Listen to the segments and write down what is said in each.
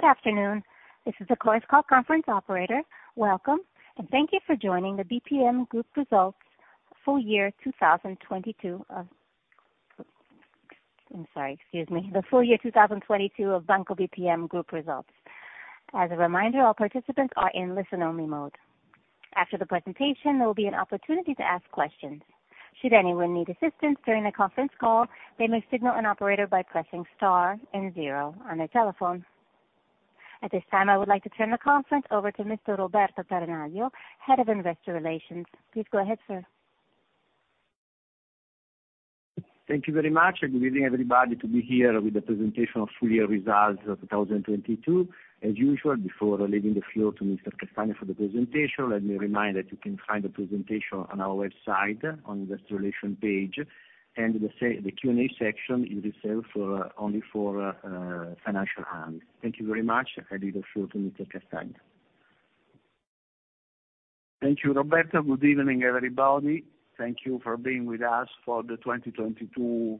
Good afternoon. This is the close call conference operator. Welcome and thank you for joining the Full Year 2022 of Banco BPM Group Results. As a reminder, all participants are in listen-only mode. After the presentation, there will be an opportunity to ask questions. Should anyone need assistance during the conference call, they may signal an operator by pressing star and zero on their telephone. At this time, I would like to turn the conference over to Mr. Roberto Peronaglio, Head of Investor Relations. Please go ahead, sir. Thank you very much. Good evening everybody, to be here with the presentation of full year results of 2022. As usual, before leaving the floor to Mr. Castagna for the presentation, let me remind that you can find the presentation on our website on the relation page and the Q&A section is reserved for only for financial hand. Thank you very much. I leave the floor to Mr. Castagna. Thank you Roberto. Good evening, everybody. Thank you for being with us for the 2022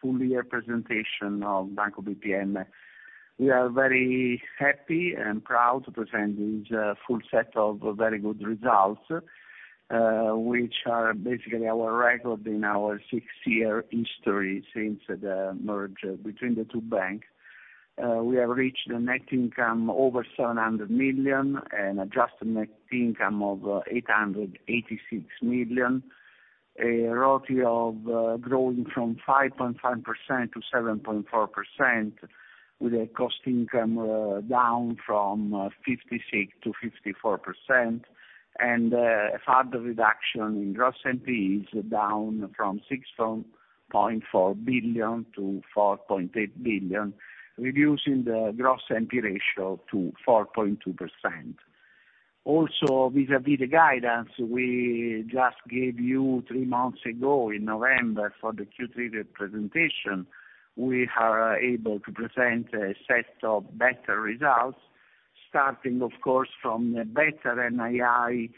full year presentation of Banco BPM. We are very happy and proud to present this full set of very good results, which are basically our record in our six-year history since the merge between the two banks. We have reached a net income over 700 million and adjusted net income of 886 million. A ROTE of growing from 5.5%-7.4% with a cost income down from 56%-54%. A further reduction in gross NPEs down from 6.4 billion-4.8 billion, reducing the gross NPE ratio to 4.2%. Vis-à-vis the guidance we just gave you three months ago in November for the Q3 presentation, we are able to present a set of better results, starting, of course, from a better NII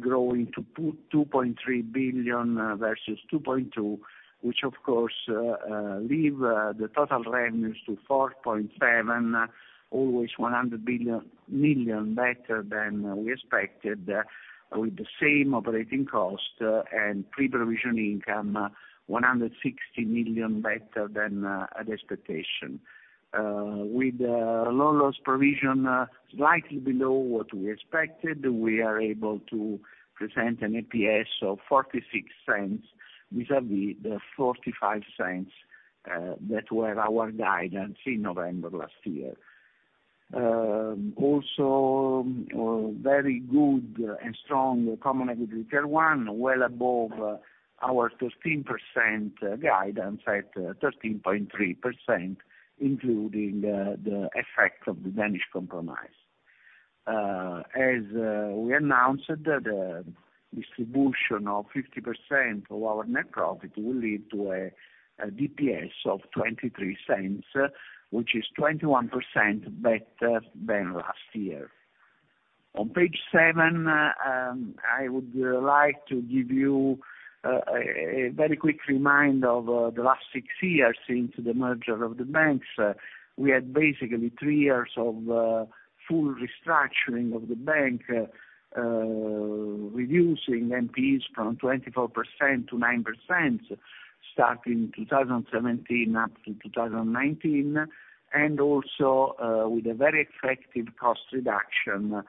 growing to 2.3 billion versus 2.2 billion, which of course, leave the total revenues to 4.7 billion, always 100 million better than we expected with the same operating cost and pre-provision income 160 million better than the expectation. With the loan loss provision slightly below what we expected, we are able to present an EPS of 0.46, vis-à-vis the 0.45 that were our guidance in November last year. Also, very good and strong Common Equity Tier 1, well above our 13% guidance at 13.3%, including the effect of the Danish Compromise. As we announced the distribution of 50% of our net profit will lead to a DPS of 0.23, which is 21% better than last year. On page seven, I would like to give you a very quick remind of the last 6 years into the merger of the banks. We had basically three years of full restructuring of the bank, reducing NPEs from 24%-9%, starting 2017 up to 2019, and also with a very effective cost reduction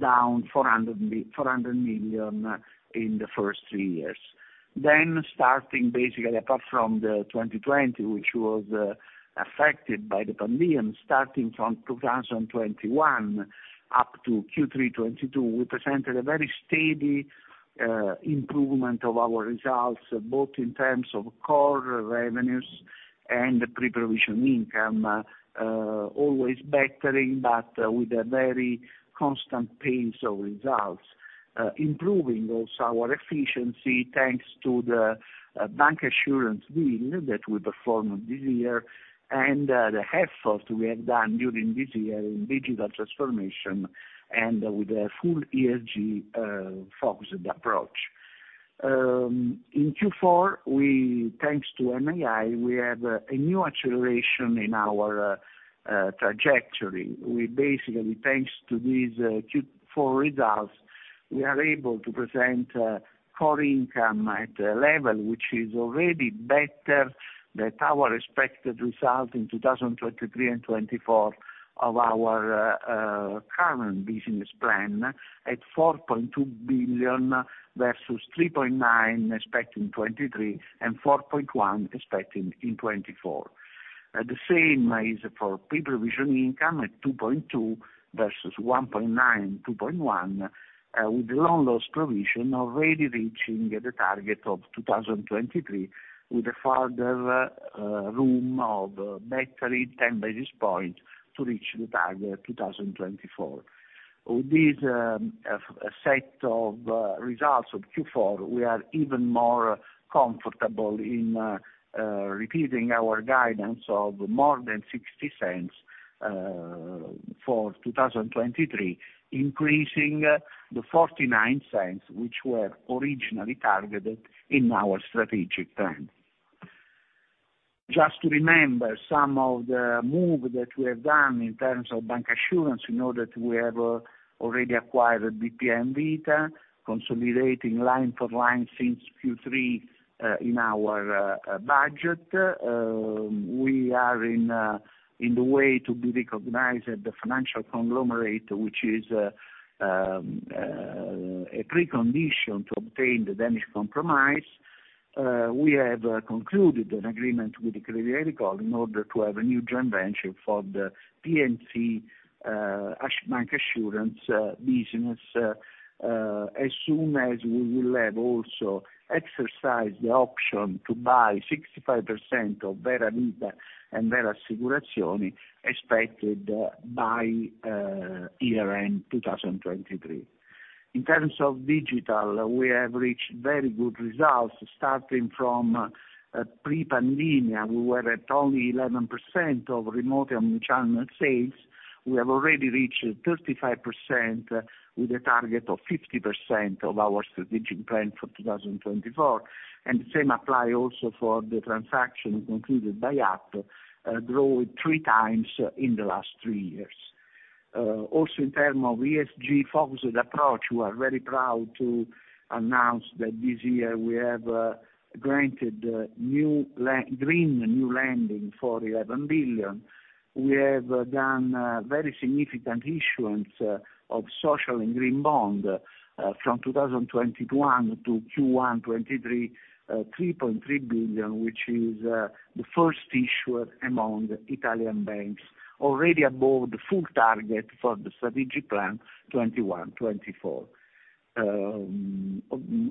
down 400 million in the first three years. Starting basically, apart from the 2020, which was affected by the pandemic, starting from 2021 up to Q3 2022, we presented a very steady improvement of our results, both in terms of core revenues and pre-provision income, always bettering, but with a very constant pace of results. Improving also our efficiency, thanks to the bancassurance deal that we performed this year and the effort we have done during this year in digital transformation and with a full ESG focused approach. In Q4, we, thanks to NII, we have a new acceleration in our trajectory. We basically, thanks to these Q4 results, we are able to present core income at a level which is already better than our expected result in 2023 and 2024 of our current business plan at 4.2 billion versus 3.9 billion, expecting 2023, and 4.1 billion, expecting in 2024. The same is for pre-provision income at 2.2 billion versus 1.9 billion, 2.1 billion, with the loan loss provision already reaching the target of 2023, with a further room of bettering 10 basis points to reach the target 2024. With this set of results of Q4, we are even more comfortable in repeating our guidance of more than 0.60 for 2023, increasing the 0.49 which were originally targeted in our strategic plan. Just to remember some of the move that we have done in terms of bancassurance, you know that we have already acquired Banco BPM Vita, consolidating line for line since Q3 in our budget. We are in the way to be recognized as the financial conglomerate, which is a precondition to obtain the Danish Compromise. We have concluded an agreement with Crédit Agricole in order to have a new joint venture for the P&C bancassurance business as soon as we will have also exercised the option to buy 65% of Vera Vita and Vera Assicurazioni expected by year-end 2023. In terms of digital, we have reached very good results. Starting from pre-pandemic, we were at only 11% of remote and digital sales. We have already reached 35% with a target of 50% of our strategic plan for 2024. The same apply also for the transaction concluded by app, grow 3x in the last three years. Also in terms of ESG-focused approach, we are very proud to announce that this year we have granted green new lending for 11 billion. We have done very significant issuance of social and green bond from 2021 to Q1 2023, 3.3 billion, which is the first issuer among Italian banks, already above the full target for the strategic plan 2021-2024.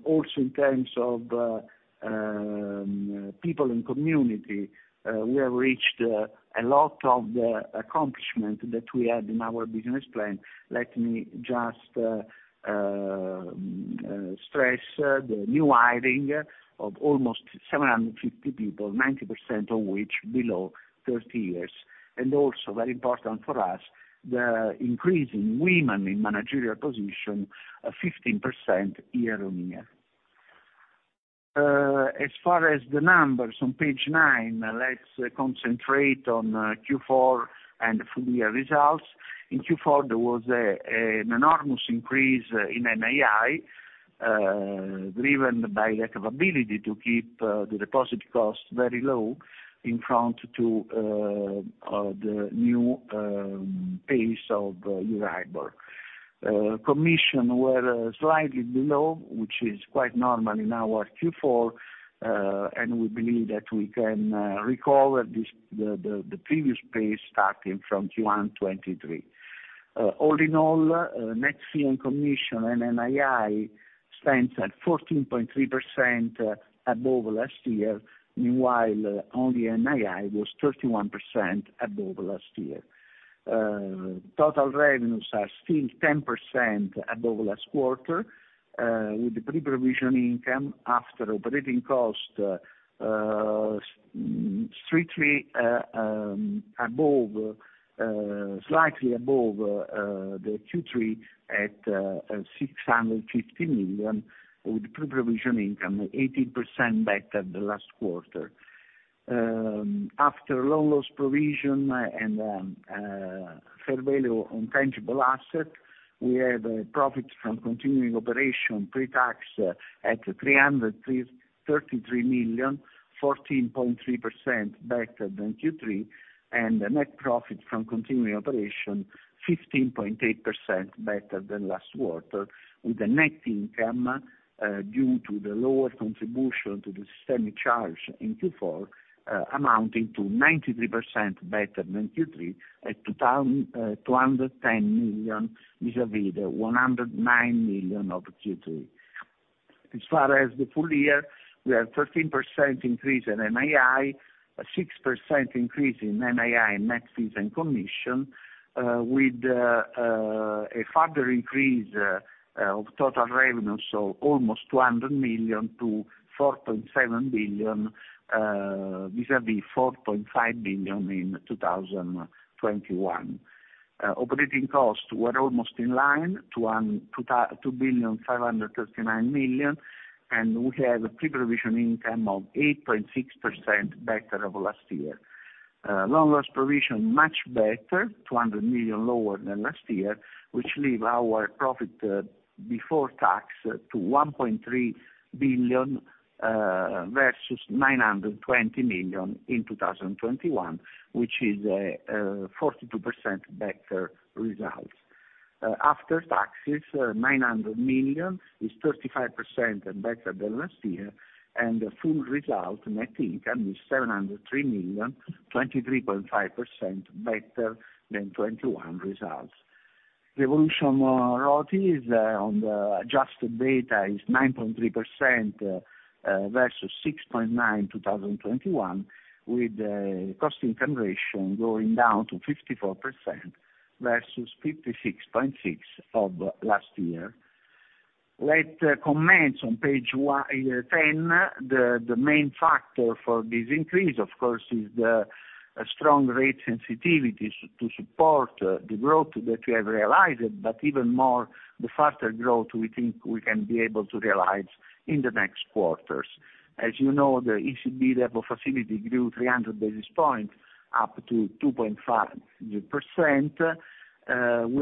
Also in terms of people and community, we have reached a lot of the accomplishments that we had in our business plan. Let me just stress the new hiring of almost 750 people, 90% of which below 30 years. Also very important for us, the increase in women in managerial position, 15% year-on-year. As far as the numbers on page nine, let's concentrate on Q4 and full year results. In Q4, there was an enormous increase in NII, driven by the capability to keep the deposit costs very low in front to the new pace of Euribor. Commission were slightly below, which is quite normal in our Q4, and we believe that we can recover this previous pace starting from Q1 2023. All in all, net fee and commission and NII stands at 14.3% above last year. Meanwhile, only NII was 31% above last year. Total revenues are still 10% above last quarter, with the pre-provision income after operating cost slightly above the Q3 at 650 million, with pre-provision income 18% better the last quarter. After loan loss provision and fair value on tangible asset, we had a profit from continuing operation pre-tax at 333 million, 14.3% better than Q3, and the net profit from continuing operation 15.8% better than last quarter, with a net income due to the lower contribution to the systemic charge in Q4, amounting to 93% better than Q3 at 210 million vis-a-vis the 109 million of Q3. As far as the full year, we have a 13% increase in NII, a 6% increase in NII and net fees and commission, with a further increase of total revenue, so almost 200 million to 4.7 billion, vis-a-vis 4.5 billion in 2021. Operating costs were almost in line to 2,539 million, we have a pre-provision income of 8.6% better of last year. Loan loss provision much better, 200 million lower than last year, which leave our profit before tax to 1.3 billion, versus 920 million in 2021, which is a 42% better results. After taxes, 900 million is 35% better than last year. The full result net income is 703 million, 23.5% better than 2021 results. Revolution, ROTE is on the adjusted data is 9.3% versus 6.9% 2021, with cost income going down to 54% versus 56.6% of last year. Let commence on page 10. The main factor for this increase, of course, is the strong rate sensitivities to support the growth that we have realized, but even more the faster growth we think we can be able to realize in the next quarters. As you know, the ECB level facility grew 300 basis points up to 2.5%. We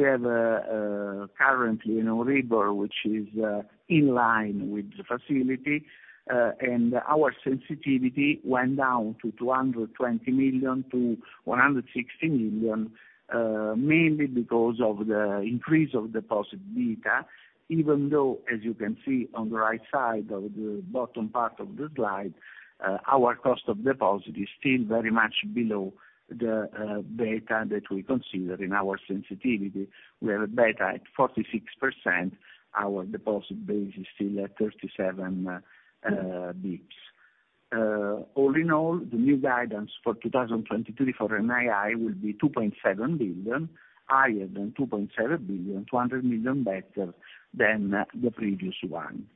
have currently a Euribor, which is in line with the facility. Our sensitivity went down to 220 million-160 million, mainly because of the increase of deposit beta, even though as you can see on the right side of the bottom part of the slide, our cost of deposit is still very much below the beta that we consider in our sensitivity. We have a beta at 46%. Our deposit base is still at 37 basis points. All in all, the new guidance for 2023 for NII will be 2.7 billion, higher than 2.7 billion, 200 million better than the previous one.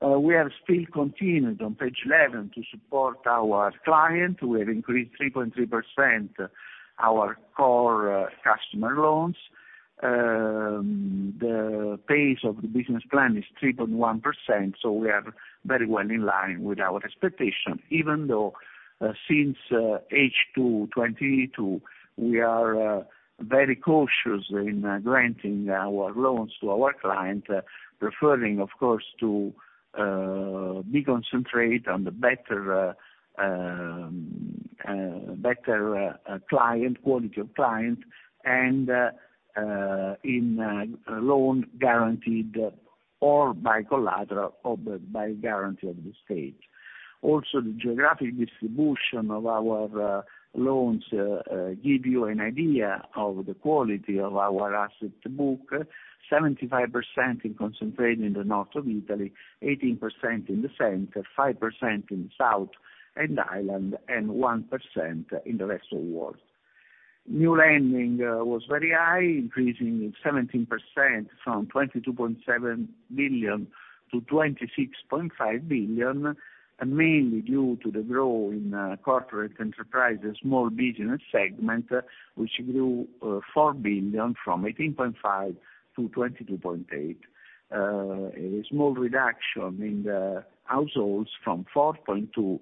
We have still continued on page 11 to support our client. We have increased 3.3% our core customer loans. The pace of the business plan is 3.1%, we are very well in line with our expectation. Even though, since H2 2022, we are very cautious in granting our loans to our client, preferring, of course, to be concentrate on the better client, quality of client and in loan guaranteed or by collateral or by guarantee of the state. The geographic distribution of our loans give you an idea of the quality of our asset book. 75% is concentrated in the North of Italy, 18% in the center, 5% in South and Island, and 1% in the rest of the world. New lending was very high, increasing 17% from 22.7 billion-26.5 billion, mainly due to the growth in corporate enterprises small business segment, which grew 4 billion from 18.5-22.8. A small reduction in the households from 4.2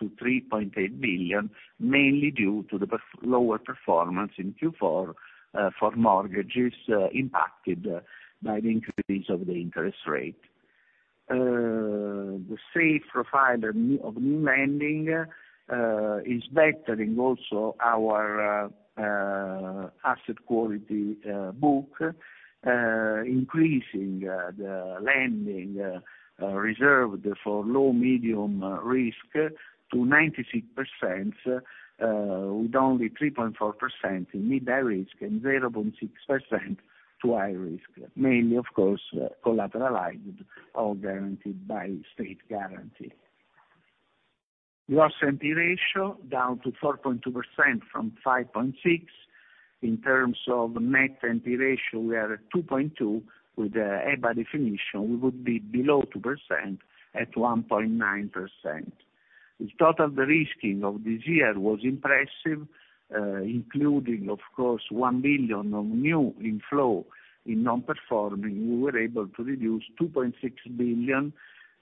billion-3.8 billion, mainly due to the lower performance in Q4 for mortgages impacted by the increase of the interest rate. The safe profile of new lending is bettering also our asset quality book, increasing the lending reserved for low, medium risk to 96%, with only 3.4% in mid high risk and 0.6% to high risk, mainly, of course, collateralized or guaranteed by state guarantee. Gross NP ratio down to 4.2% from 5.6%. In terms of net NP ratio, we are at 2.2%. With the EBA definition, we would be below 2% at 1.9%. The total de-risking of this year was impressive, including of course, 1 billion of new inflow in non-performing. We were able to reduce 2.6 billion,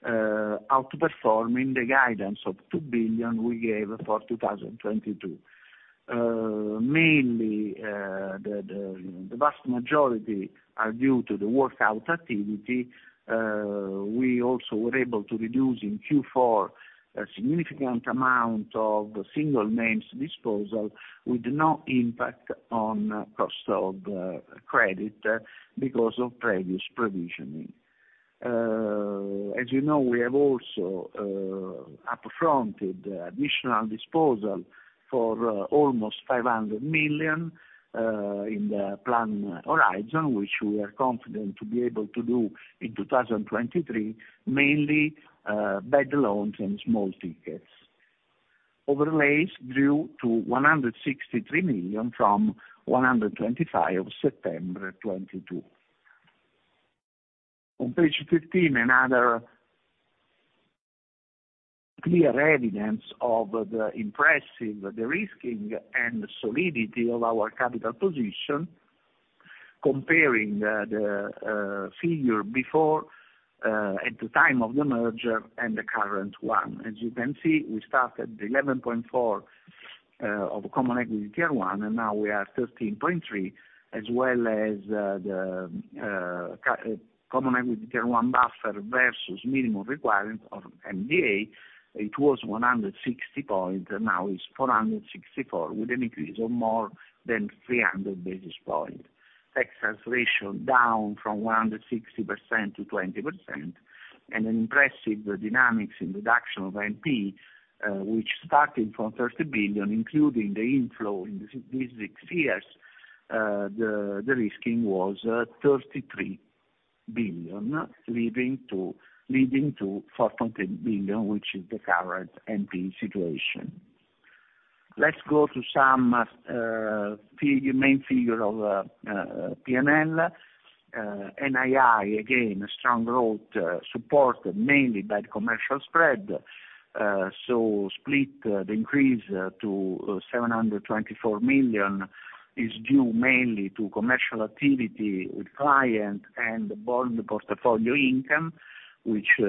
outperforming the guidance of 2 billion we gave for 2022. Mainly, the vast majority are due to the workout activity. We also were able to reduce in Q4 a significant amount of single names disposal with no impact on cost of credit because of previous provisioning. As you know, we have also up-fronted additional disposal for almost 500 million in the plan horizon, which we are confident to be able to do in 2023, mainly bad loans and small tickets. Overlays grew to 163 million from 125 million of September 2022. On page 15, another clear evidence of the impressive de-risking and solidity of our capital position, comparing the figure before at the time of the merger and the current one. As you can see, we started at 11.4 of Common Equity Tier 1, and now we are at 13.3, as well as the Common Equity Tier 1 buffer versus minimum requirement of MDA, it was 160 points, now it's 464, with an increase of more than 300 basis points. Excess ratio down from 160%-20%. An impressive dynamics in reduction of NP, which started from 30 billion, including the inflow in these six years. The de-risking was 33 billion, leading to 4.8 billion, which is the current NP situation. Let's go to some main figure of P&L. NII, again, a strong growth, supported mainly by the commercial spread. Split the increase to 724 million is due mainly to commercial activity with client and bond portfolio income, which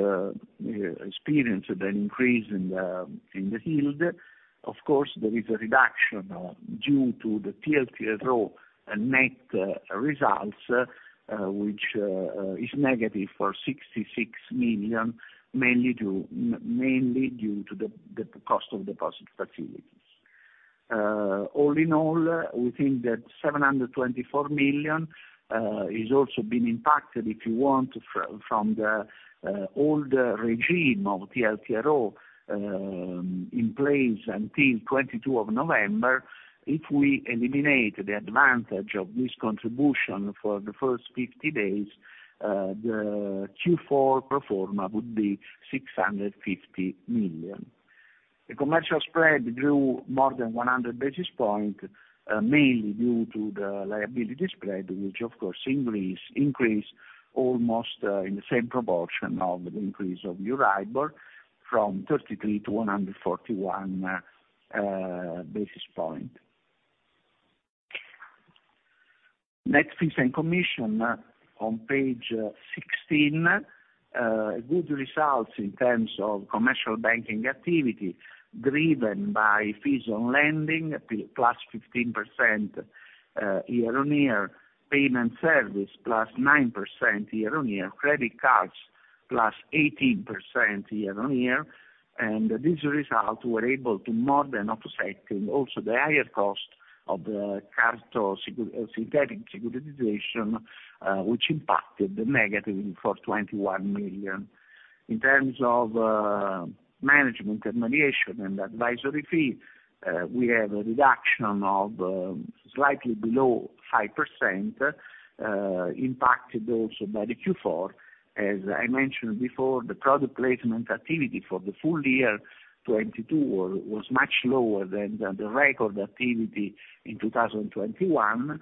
experienced an increase in the yield. Of course, there is a reduction due to the TLTRO net results, which is negative for 66 million, mainly due to the cost of deposit facilities. All in all, we think that 724 million is also been impacted, if you want, from the older regime of TLTRO, in place until 22 of November. If we eliminate the advantage of this contribution for the first 50 days, the Q4 pro forma would be 650 million. The commercial spread grew more than 100 basis points, mainly due to the liability spread, which of course increase almost in the same proportion of the increase of Euribor from 33-141 basis points. Net fees and commission on page 16. Good results in terms of commercial banking activity, driven by fees on lending +15% year-on-year, payment service +9% year-on-year, credit cards +18% year-on-year. These results were able to more than offset also the higher cost of the Cards synthetic securitization, which impacted the negative for 21 million. In terms of management, intermediation and advisory fees, we have a reduction of slightly below 5%, impacted also by the Q4. As I mentioned before, the product placement activity for the full year 2022 was much lower than the record activity in 2021,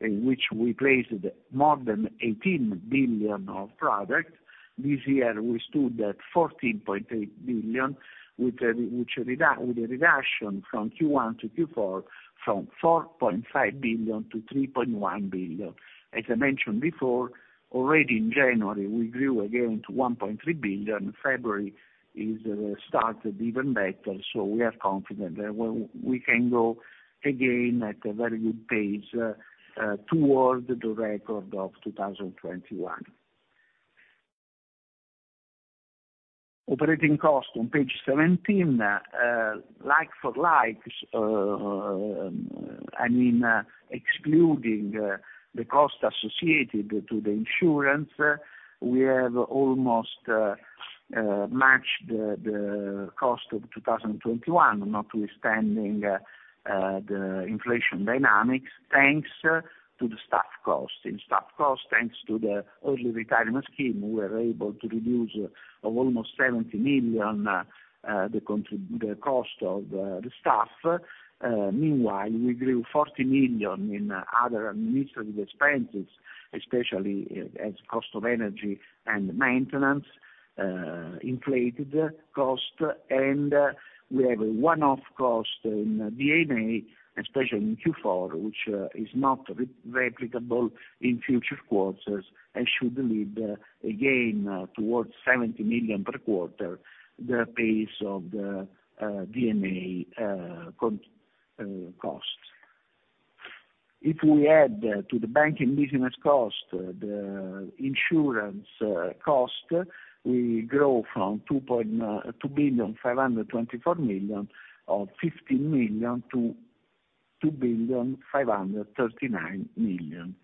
in which we placed more than 18 billion of product. This year, we stood at 14.8 billion with a reduction from Q1 to Q4, from 4.5 billion-3.1 billion. As I mentioned before, already in January, we grew again to 1.3 billion. February started even better, we are confident that we can go again at a very good pace towards the record of 2021. Operating costs on page 17. Like for likes, I mean, excluding the cost associated to the insurance, we have almost matched the cost of 2021, notwithstanding the inflation dynamics, thanks to the staff costs. In staff costs, thanks to the early retirement scheme, we were able to reduce almost 70 million the cost of the staff. Meanwhile, we grew 40 million in other administrative expenses, especially as cost of energy and maintenance, inflated cost. We have a one-off cost in D&A, especially in Q4, which is not replicable in future quarters and should lead again towards 70 million per quarter the pace of the D&A cost. If we add to the banking business cost the insurance cost, we grow from 2.524 billion or 15 million to 2.539 billion.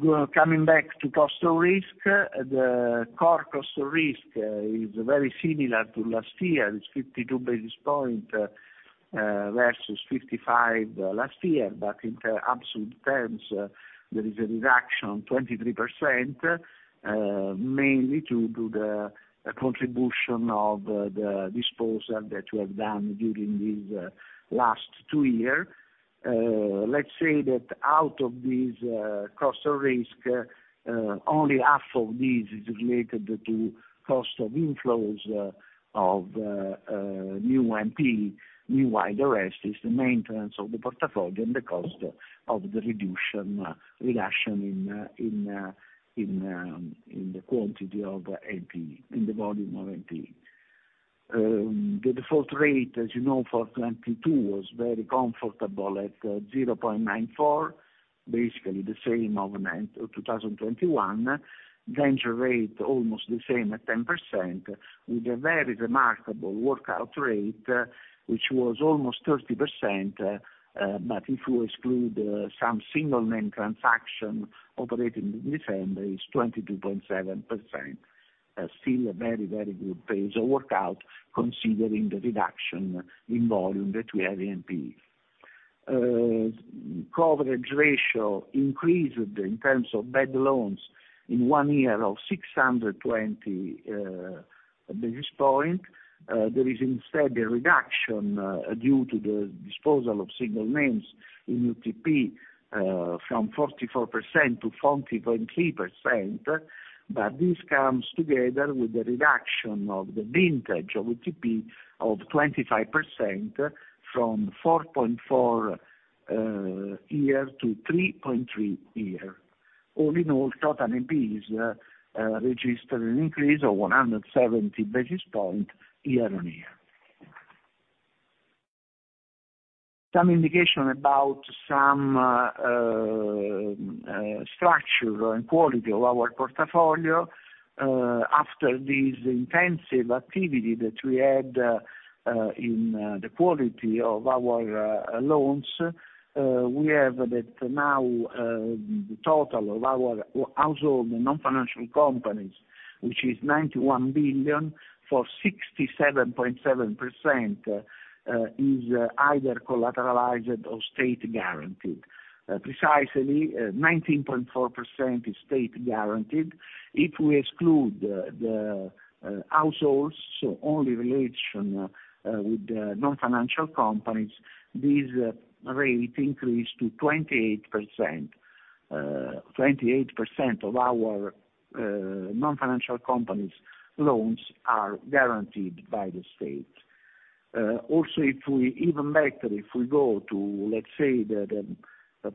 We are coming back to cost of risk. The core cost of risk is very similar to last year. It's 52 basis point versus 55 last year. In absolute terms, there is a reduction of 23%, mainly to do the contribution of the disposal that we have done during these last two year. Let's say that out of these cost of risk, only half of this is related to cost of inflows of new NP. Meanwhile, the rest is the maintenance of the portfolio and the cost of the reduction in the volume of NP. The default rate, as you know, for 2022 was very comfortable at 0.94%, basically the same of 2021. Danger rate almost the same at 10% with a very remarkable workout rate, which was almost 30%. If you exclude some single name transaction operating in December, it's 22.7%. Still a very good pace of workout considering the reduction in volume that we have NP. Coverage ratio increased in terms of bad loans in one year of 620 basis points. There is instead a reduction due to the disposal of single names in UTP from 44%-40.3%. This comes together with the reduction of the vintage of UTP of 25% from 4.4 year-3.3 year. All in all, total NP registered an increase of 170 basis points year-on-year. Some indication about some structure and quality of our portfolio. After this intensive activity that we had in the quality of our loans, we have that now the total of our household non-financial companies, which is 91 billion for 67.7%, is either collateralized or state guaranteed. Precisely 19.4% is state guaranteed. If we exclude the households, only relation with the non-financial companies, this rate increased to 28%. 28% of our non-financial companies loans are guaranteed by the state. If we even better, if we go to, let's say the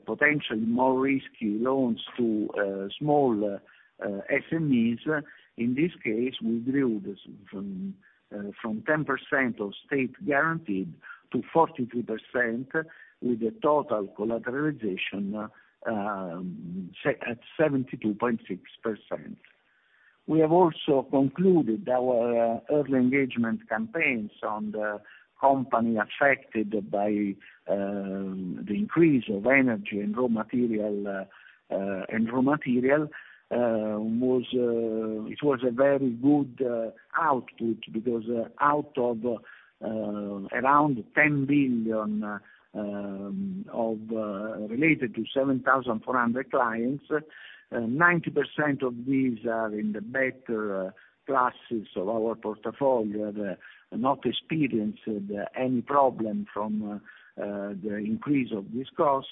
potentially more risky loans to small SMEs, in this case we build this from 10% of state guaranteed to 42% with a total collateralization at 72.6%. We have also concluded our early engagement campaigns on the company affected by the increase of energy and raw material. It was a very good output, because out of around 10 billion of related to 7,400 clients, 90% of these are in the better classes of our portfolio, have not experienced any problem from the increase of this cost.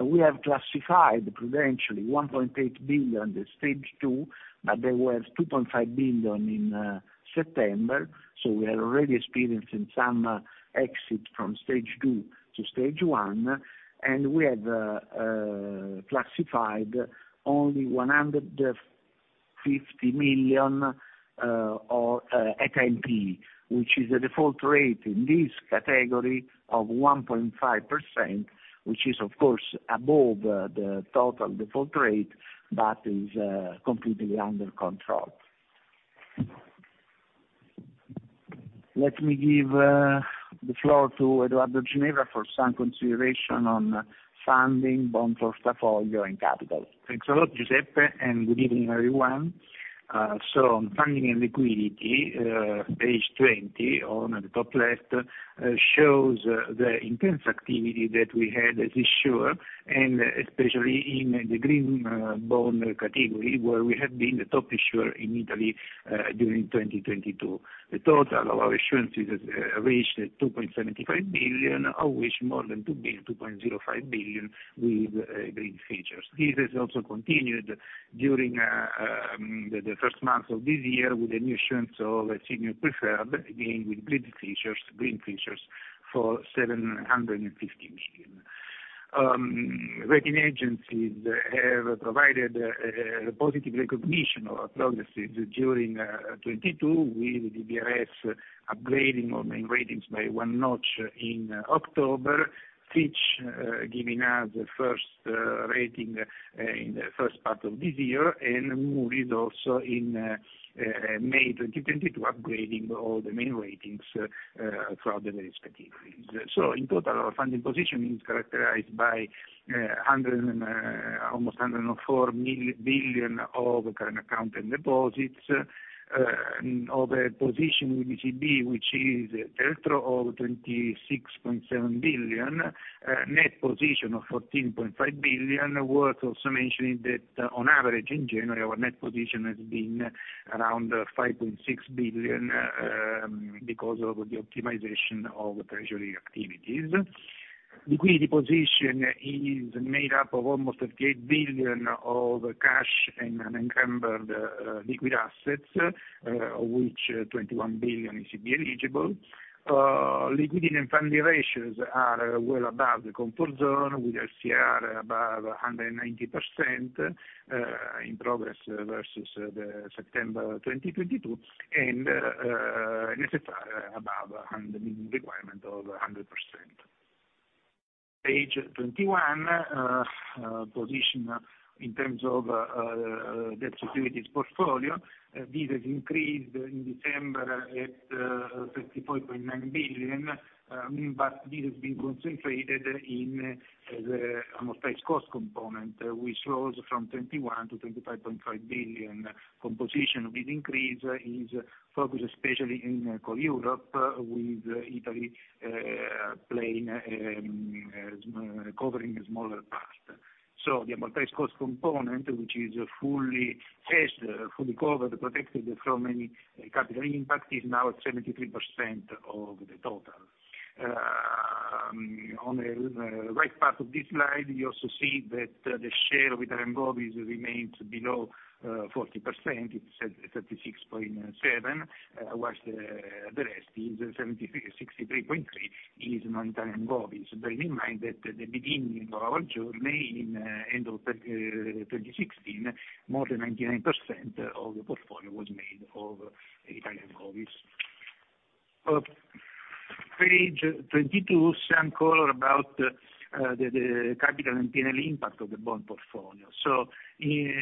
We have classified prudentially 1.8 billion at Stage 2, but there were 2.5 billion in September, so we are already experiencing some exit from Stage 2 to Stage 1, and we have classified only 150 million or at MP, which is a default rate in this category of 1.5%, which is of course above the total default rate, but is completely under control. Let me give the floor to Edoardo Ginevra for some consideration on funding bond portfolio and capital. Thanks a lot Giuseppe, good evening everyone. On funding and liquidity, page 20 on the top left, shows the intense activity that we had as issuer and especially in the green bond category, where we have been the top issuer in Italy during 2022. The total of our issuances reached 2.75 billion, of which more than 2.05 billion with green features. This has also continued during the first month of this year with an issuance of a senior preferred, again with green features for 750 million. Rating agencies have provided a positive recognition of our progresses during 2022, with DBRS upgrading our main ratings by one notch in October. Fitch, giving us the first rating in the first part of this year, and Moody's also in May 2022 upgrading all the main ratings throughout the respective ratings. In total, our funding position is characterized by almost 104 billion of current account and deposits, of a position with ECB, which is delta of 26.7 billion, net position of 14.5 billion. Worth also mentioning that on average, in January, our net position has been around 5.6 billion because of the optimization of treasury activities. Liquidity position is made up of almost 38 billion of cash and unencumbered liquid assets, of which 21 billion is ECB eligible. Liquidity and funding ratios are well above the comfort zone with SCR above 190% in progress versus the September 2022, and CFR above 100, meaning requirement of 100%. Page 21, position in terms of debt securities portfolio. This has increased in December at 34.9 billion, but this has been concentrated in the amortized cost component, which rose from 21-25.5 billion. Composition of this increase is focused especially in core Europe with Italy playing covering a smaller part. The amortized cost component, which is fully hedged, fully covered, protected from any capital impact, is now at 73% of the total. On the right part of this slide, you also see that the share of Italian govies remains below 40%. It's at 36.7%, whilst the rest is 63.3% non-Italian govies. Bearing in mind that at the beginning of our journey in end of 2016, more than 99% of the portfolio was made of Italian govies. Page 22, some color about the capital and P&L impact of the bond portfolio. In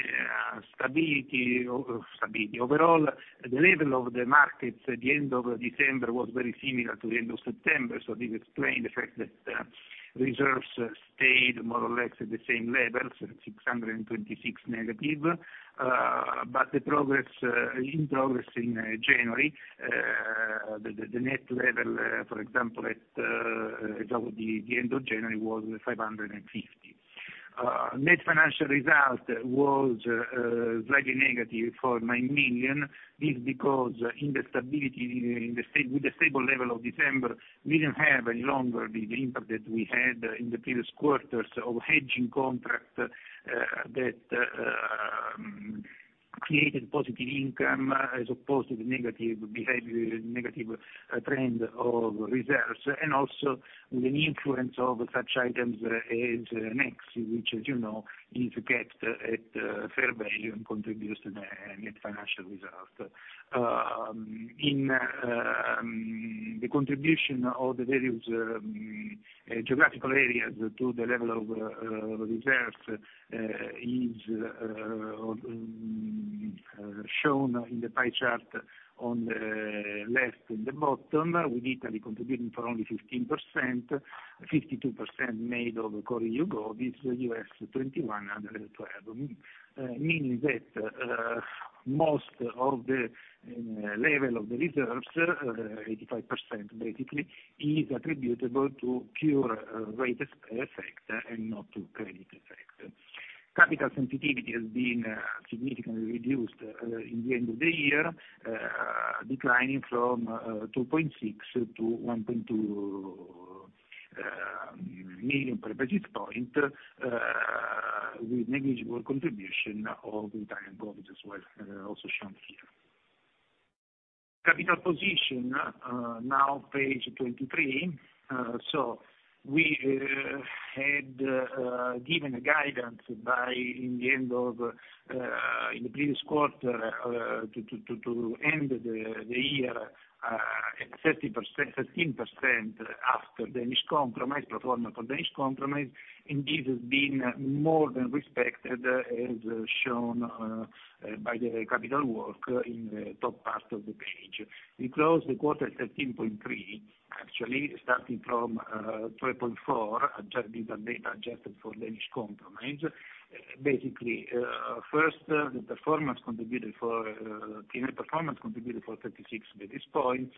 stability. Overall, the level of the markets at the end of December was very similar to the end of September, this explain the fact that reserves stayed more or less at the same levels, at 626 negative. The progress in January, the net level, for example, as of the end of January was 550. Net financial result was slightly negative for 9 million, this because in the stability, with the stable level of December, we didn't have any longer the impact that we had in the previous quarters of hedging contract that created positive income as opposed to the negative behaved negative trend of reserves. Also with an influence of such items as Nexi, which as you know is kept at fair value and contributes to the net financial result. The contribution of the various geographical areas to the level of reserves is shown in the pie chart on the left, in the bottom, with Italy contributing for only 15%, 52% made of core EU govies, US 21% and 12%. Meaning that most of the level of the reserves, 85% basically, is attributable to pure rate effect and not to credit effect. Capital sensitivity has been significantly reduced in the end of the year, declining from 2.6 -1.2 million per basis point, with negligible contribution of Italian govies as well, also shown here. Capital position, now page 23. We had given a guidance by, in the end of, in the previous quarter, to end the year at 13% after Danish compromise, performance for Danish compromise, and this has been more than respected, as shown by the capital work in the top part of the page. We closed the quarter at 13.3, actually starting from 3.4 adjusted CET1 measure adjusted for Danish compromise. Basically, team performance contributed for 36 basis points.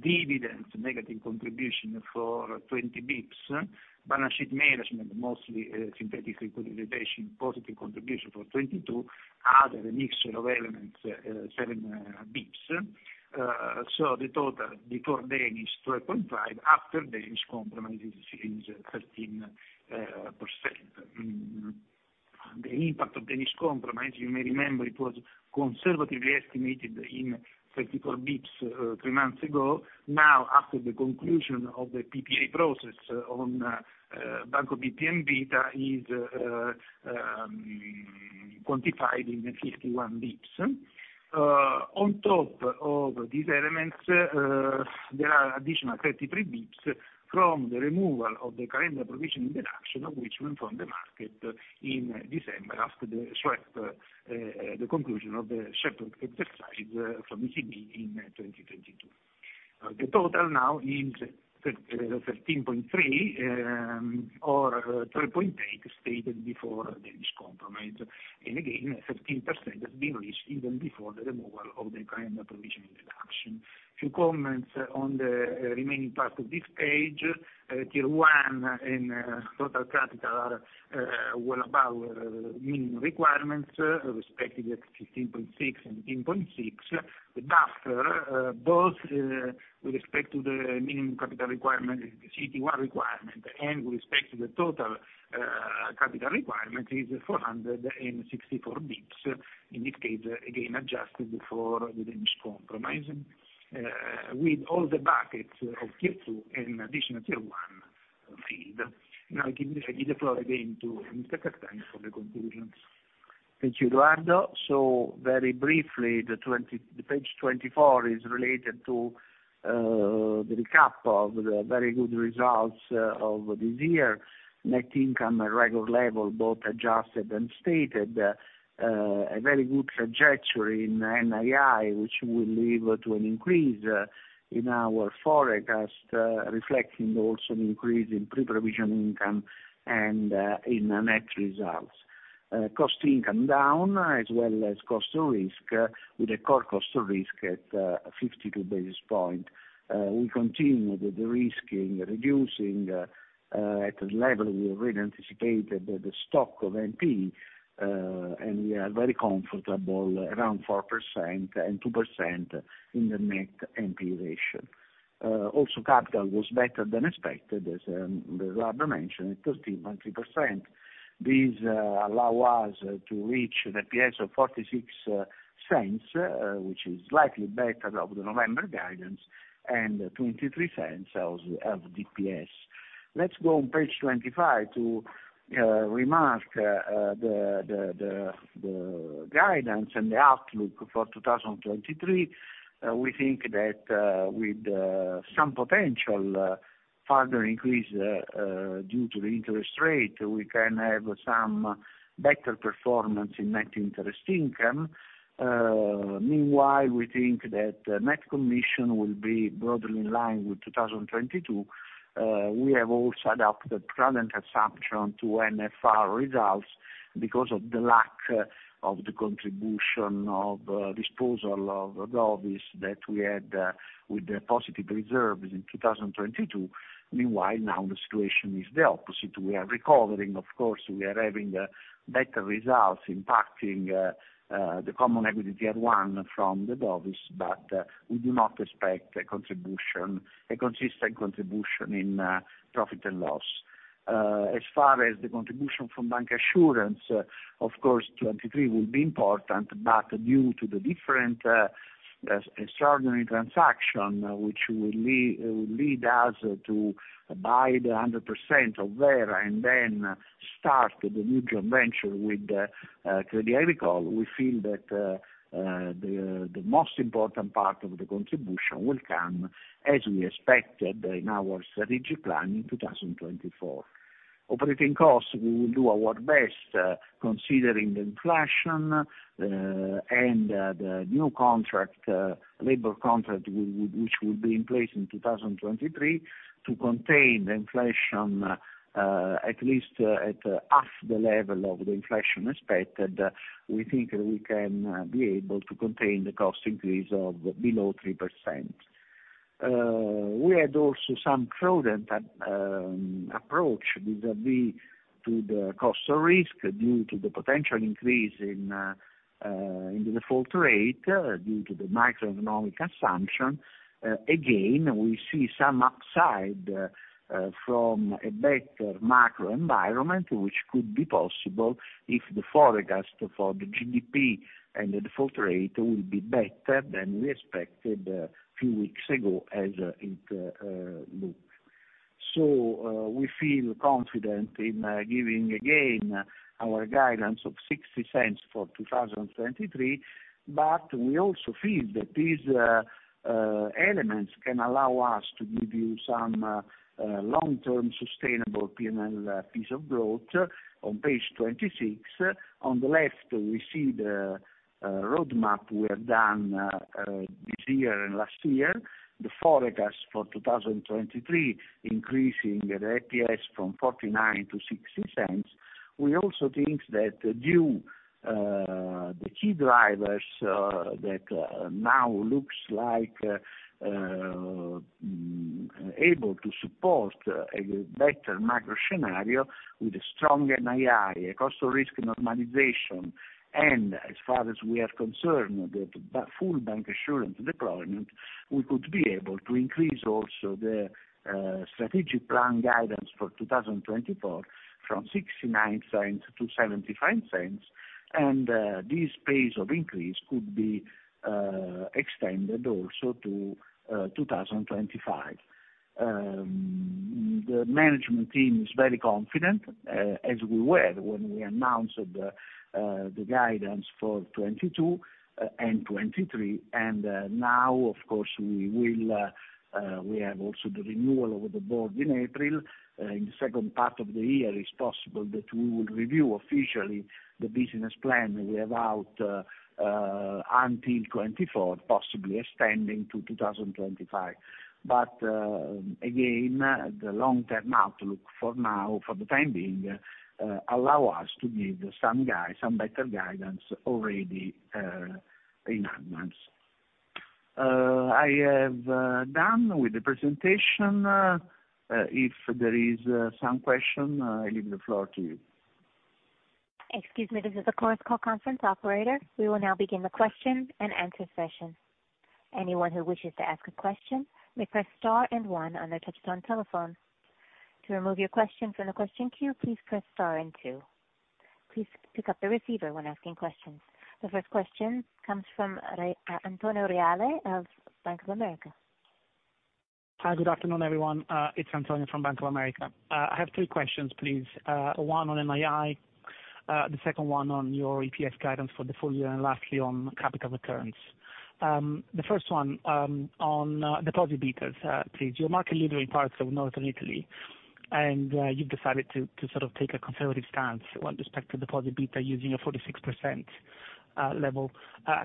Dividends, negative contribution for 20 bips. Balance sheet management, mostly, synthetic securitization, positive contribution for 22 bips. Other mixture of elements, 7 bips. The total before Danish, 3.5%. After Danish compromise, it is 13%. The impact of Danish compromise, you may remember it was conservatively estimated in 34 bips, three months ago. Now, after the conclusion of the PPA process on Banco BPM Vita is quantified in 51 bips. On top of these elements, there are additional 33 basis points from the removal of the current provisioning deduction, which went from the market in December after the swap, the conclusion of the SREP exercise from ECB in 2022. The total now is 13.3, or 3.8 stated before the Danish compromise. Again, 13% has been reached even before the removal of the current provisioning reduction. Few comments on the remaining part of this page. Tier 1 and total capital are well above minimum requirements, respectively at 15.6 and 18.6. The buffer, both with respect to the minimum capital requirement is the CET1 requirement. With respect to the total capital requirement is 464 basis points. In this case, again adjusted for the Danish compromise, with all the buckets of Tier 2 and Additional Tier 1 feed. I give the floor again to Mr. Castagna for the conclusions. Thank you Eduardo. Very briefly, the page 24 is related to the recap of the very good results of this year. Net income at record level, both adjusted and stated. A very good trajectory in NII, which will lead to an increase in our forecast, reflecting also the increase in pre-provision income and in the net results. Cost income down as well as cost of risk with the core cost of risk at 52 basis point. We continue with the de-risking, reducing at the level we already anticipated the stock of NP, and we are very comfortable around 4% and 2% in the net NP ratio. Also capital was better than expected, as Roberto mentioned, at 13.3%. These allow us to reach the EPS of 0.46, which is slightly better of the November guidance and 0.23 of DPS. Let's go on page 25 to remark the guidance and the outlook for 2023. We think that with some potential further increase due to the interest rate, we can have some better performance in net interest income. Meanwhile, we think that net commission will be broadly in line with 2022. We have also adopted prudent assumption to NFR results because of the lack of the contribution of disposal of govies that we had with the positive reserves in 2022. Meanwhile, now the situation is the opposite. We are recovering, of course, we are having better results impacting the Common Equity Tier 1 from the govies, but we do not expect a contribution, a consistent contribution in profit and loss. As far as the contribution from bancassurance, of course, 2023 will be important, but due to the different extraordinary transaction which will lead us to buy the 100% of Vera and then start the new joint venture with Crédit Agricole, we feel that the most important part of the contribution will come, as we expected in our strategic plan, in 2024. Operating costs, we will do our best, considering the inflation, and the new contract, labor contract which will be in place in 2023 to contain the inflation, at least at half the level of the inflation expected, we think we can be able to contain the cost increase of below 3%. We had also some prudent approach vis-a-vis to the cost of risk due to the potential increase in the default rate due to the macroeconomic assumption. Again, we see some upside from a better macro environment, which could be possible if the forecast for the GDP and the default rate will be better than we expected a few weeks ago as it looks. We feel confident in giving, again, our guidance of 0.60 for 2023. We also feel that these elements can allow us to give you some long-term sustainable P&L piece of growth. On page 26, on the left, we see the roadmap we have done this year and last year. The forecast for 2023 increasing the EPS from 0.49-0.60. We also think that due the key drivers that now looks like able to support a better macro scenario with a strong NII, a cost of risk normalization. As far as we are concerned, that full bancassurance deployment, we could be able to increase also the strategic plan guidance for 2024 from 0.69-0.75. This pace of increase could be extended also to 2025. The management team is very confident as we were when we announced the guidance for 2022 and 2023. Now, of course, we will, we have also the renewal of the board in April. In the second part of the year, it's possible that we will review officially the business plan we have out until 2024, possibly extending to 2025. Again, the long-term outlook for now, for the time being, allow us to give some better guidance already in advance. I have done with the presentation. If there is some question, I leave the floor to you. Excuse me. This is the conference call conference operator. We will now begin the question and answer session. Anyone who wishes to ask a question, may press star and one on their touchtone telephone. To remove your question from the question queue, please press star and two. Please pick up the receiver when asking questions. The first question comes from Antonio Reale of Bank of America. Hi, good afternoon everyone. It's Antonio from Bank of America. I have three questions, please. One on NII, the second one on your EPS guidance for the full year, and lastly on capital returns. The first one, on deposit betas, please. You're market leader in parts of Northern Italy, and you've decided to sort of take a conservative stance with respect to deposit beta using a 46%.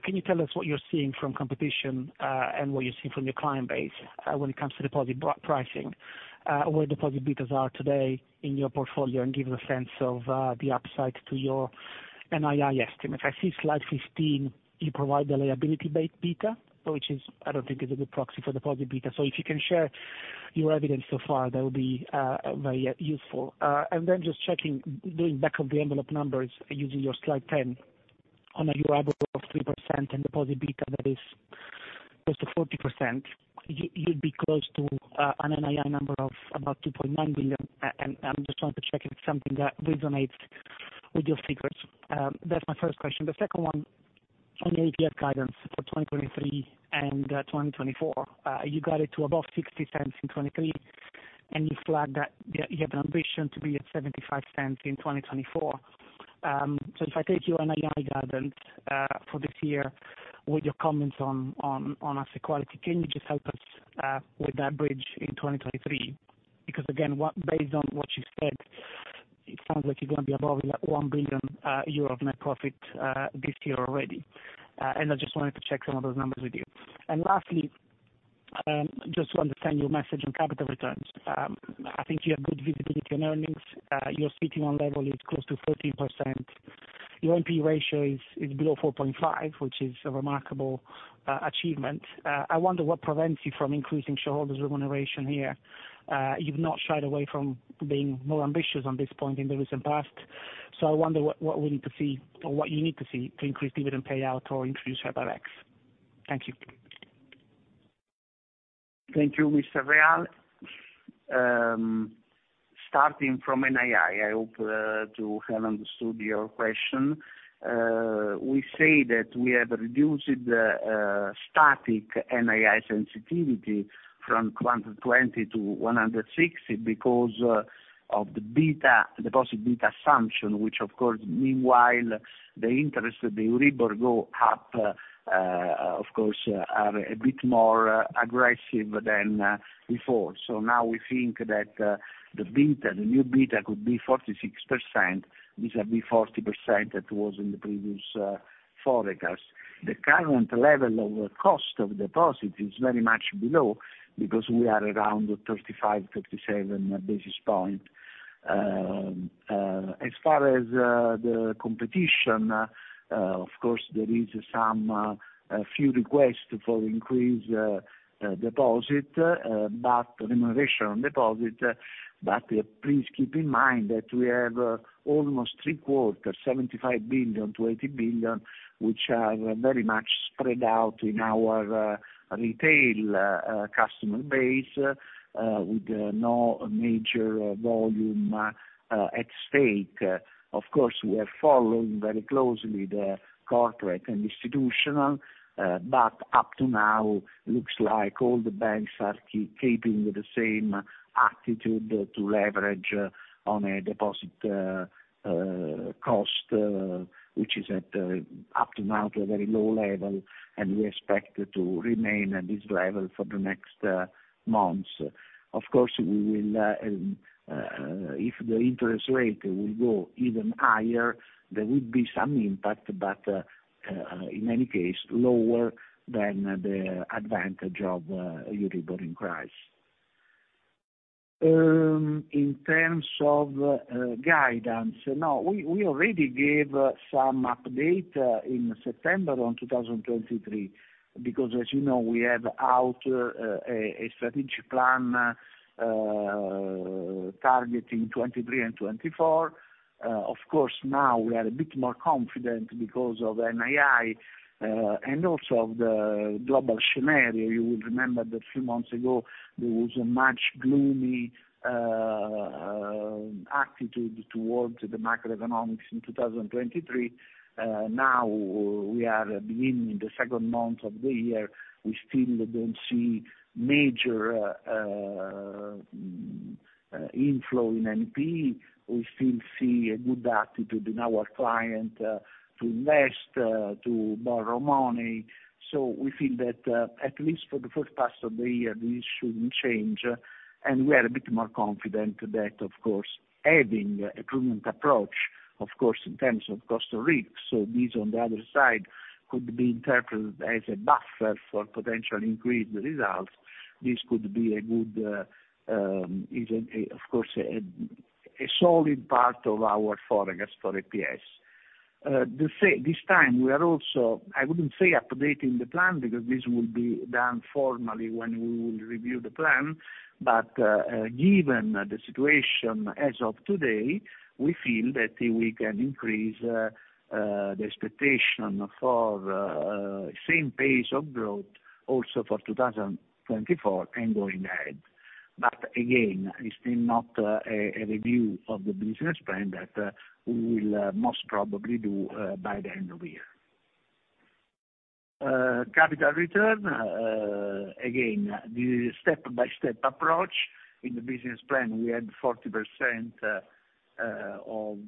Can you tell us what you're seeing from competition and what you're seeing from your client base when it comes to deposit pricing, where deposit betas are today in your portfolio, and give a sense of the upside to your NII estimate? I see slide 15, you provide the liability beta, which I don't think is a good proxy for deposit beta. If you can share your evidence so far, that would be very useful. Just checking, doing back of the envelope numbers using your slide 10. On a Euribor of 3% and deposit beta that is close to 40%, you'd be close to an NII number of about 2.9 billion. I'm just wanting to check if it's something that resonates with your figures. That's my first question. The second one, on your EPS guidance for 2023 and 2024. You got it to above 0.60 in 2023, and you flagged that you have an ambition to be at 0.75 in 2024. If I take your NII guidance for this year with your comments on asset quality, can you just help us with that bridge in 2023? Because again, based on what you said, it sounds like you're gonna be above that 1 billion euros of net profit this year already. I just wanted to check some of those numbers with you. Lastly, just to understand your message on capital returns. I think you have good visibility on earnings. Your CET1 level is close to 14%. Your NP ratio is below 4.5, which is a remarkable achievement. I wonder what prevents you from increasing shareholders' remuneration here. You've not shied away from being more ambitious on this point in the recent past. I wonder what we need to see or what you need to see to increase dividend payout or introduce share buybacks. Thank you. Thank you Mr. Reale. Starting from NII, I hope to have understood your question. We say that we have reduced the static NII sensitivity from 120-160 because of the beta, deposit beta assumption, which of course meanwhile the interest, the Euribor go up, of course are a bit more aggressive than before. Now we think that the beta, the new beta could be 46%, vis-a-vis 40% that was in the previous forecast. The current level of cost of deposit is very much below because we are around 35, 37 basis point. As far as the competition, of course there is some few requests for increased deposit, but remuneration on deposit. Please keep in mind that we have almost three quarter 75 billion, 20 billion, which are very much spread out in our retail customer base, with no major volume at stake. We are following very closely the corporate and institutional, but up to now looks like all the banks are keeping the same attitude to leverage on a deposit cost, which is up to now at a very low level, and we expect it to remain at this level for the next months. We will, if the interest rate will go even higher, there would be some impact, but in any case, lower than the advantage of Euribor in price. In terms of guidance, now, we already gave some update in September on 2023 because as you know, we have out a strategic plan targeting 2023 and 2024. Of course, now we are a bit more confident because of NII and also of the global scenario. You will remember that a few months ago there was a much gloomy attitude towards the macroeconomics in 2023. Now we are beginning the second month of the year, we still don't see major inflow in NP. We still see a good attitude in our client to invest, to borrow money. We feel that at least for the first part of the year, this shouldn't change. We are a bit more confident that of course having a prudent approach, of course, in terms of cost of risk, so this on the other side could be interpreted as a buffer for potential increased results. This could be a good, even a solid part of our forecast for EPS. This time we are also, I wouldn't say updating the plan because this will be done formally when we will review the plan, but given the situation as of today, we feel that we can increase the expectation for same pace of growth also for 2024 and going ahead. Again, it's still not a review of the business plan that we will most probably do by the end of the year. Capital return, again, this is step-by-step approach. In the business plan we had 40% of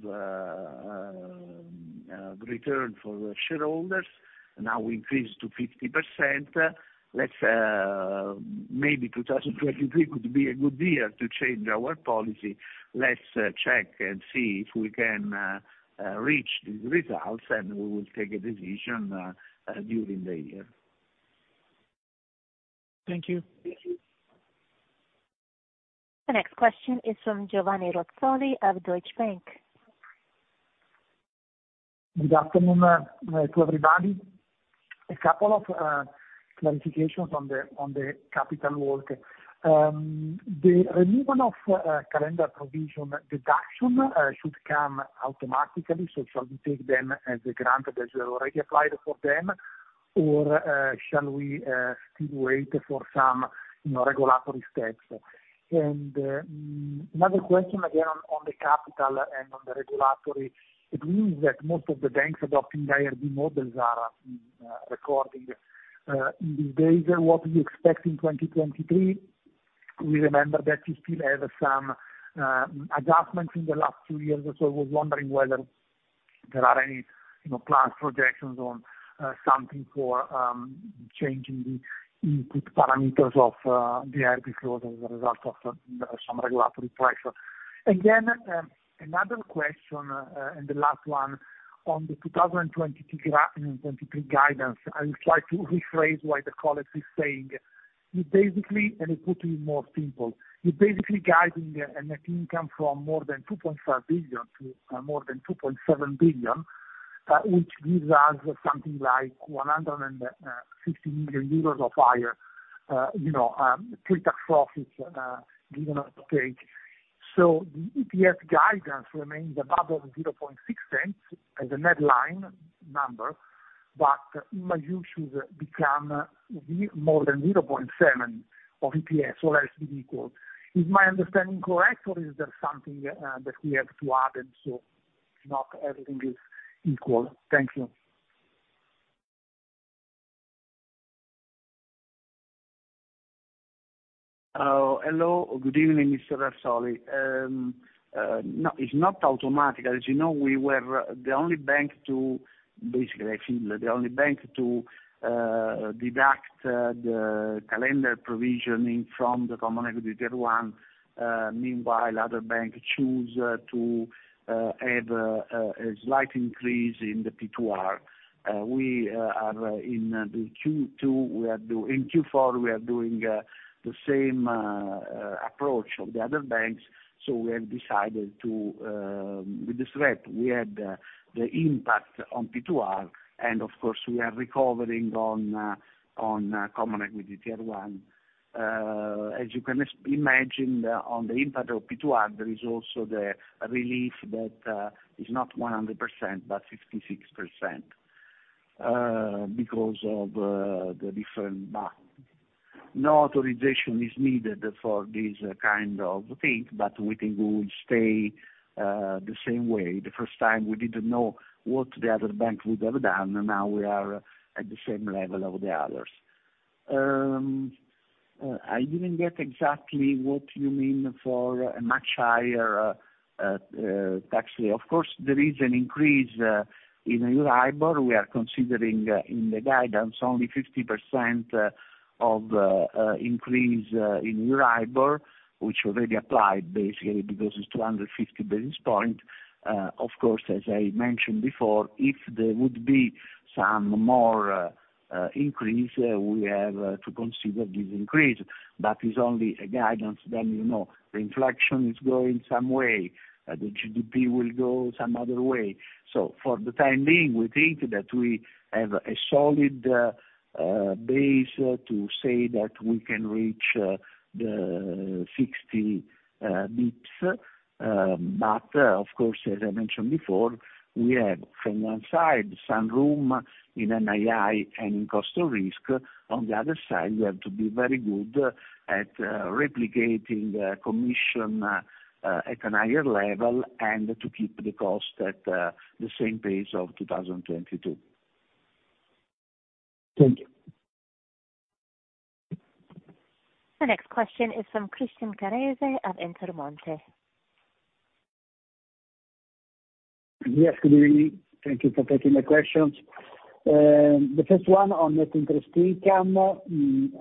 return for shareholders. Now we increase to 50%. Let's maybe 2023 could be a good year to change our policy. Let's check and see if we can reach these results, and we will take a decision during the year. Thank you. The next question is from Giovanni Razzoli of Deutsche Bank. Good afternoon to everybody. A couple of clarifications on the capital work. The removal of calendar provision deduction should come automatically, so shall we take them as a grant that you already applied for them, or shall we still wait for some, you know, regulatory steps? Another question again on the capital and on the regulatory, it means that most of the banks adopting the IRB models are recording in these days. What do you expect in 2023? We remember that you still have some adjustments in the last few years, so I was wondering whether there are any, you know, plans, projections on something for changing the input parameters of the IRB model as a result of some regulatory pressure. Again, another question and the last one, on the 2022-2023 guidance, I will try to rephrase what the colleague is saying. You're basically, let me put it more simple. You're basically guiding a net income from more than 2.5 billion to more than 2.7 billion, which gives us something like 150 million euros of higher, you know, pre-tax profits, given or take. The EPS guidance remains above 0.006 as a net line number, but in my view should become more than 0.007 of EPS or else be equal. Is my understanding correct, or is there something that we have to add, and so not everything is equal? Thank you. Hello. Good evening Mr. Razzoli. No, it's not automatic. As you know, we were the only bank to, basically, I think the only bank to deduct the calendar provisioning from the Common Equity Tier 1. Meanwhile other banks choose to have a slight increase in the P2R. We are in the Q2, In Q4, we are doing the same approach of the other banks, we have decided to, with the SREP, we had the impact on P2R, and of course we are recovering on Common Equity Tier 1. As you can imagine on the impact of P2R, there is also the relief that is not 100% but 56% because of the different mark. No authorization is needed for these kind of things, but we think we will stay the same way. The first time we didn't know what the other banks would have done. Now we are at the same level of the others. I didn't get exactly what you mean for a much higher tax rate. Of course, there is an increase in Euribor. We are considering in the guidance only 50% of increase in Euribor, which already applied basically because it's 250 basis points. Of course, as I mentioned before, if there would be some more increase, we have to consider this increase. That is only a guidance. You know, the inflation is going some way. The GDP will go some other way. For the time being, we think that we have a solid base to say that we can reach the 60 basis points. Of course, as I mentioned before, we have from one side some room in NII and in cost of risk. On the other side, we have to be very good at replicating the commission at a higher level and to keep the cost at the same pace of 2022. Thank you. The next question is from Christian Carrese at Intermonte. Yes. Good evening. Thank you for taking the questions. The first one on net interest income. I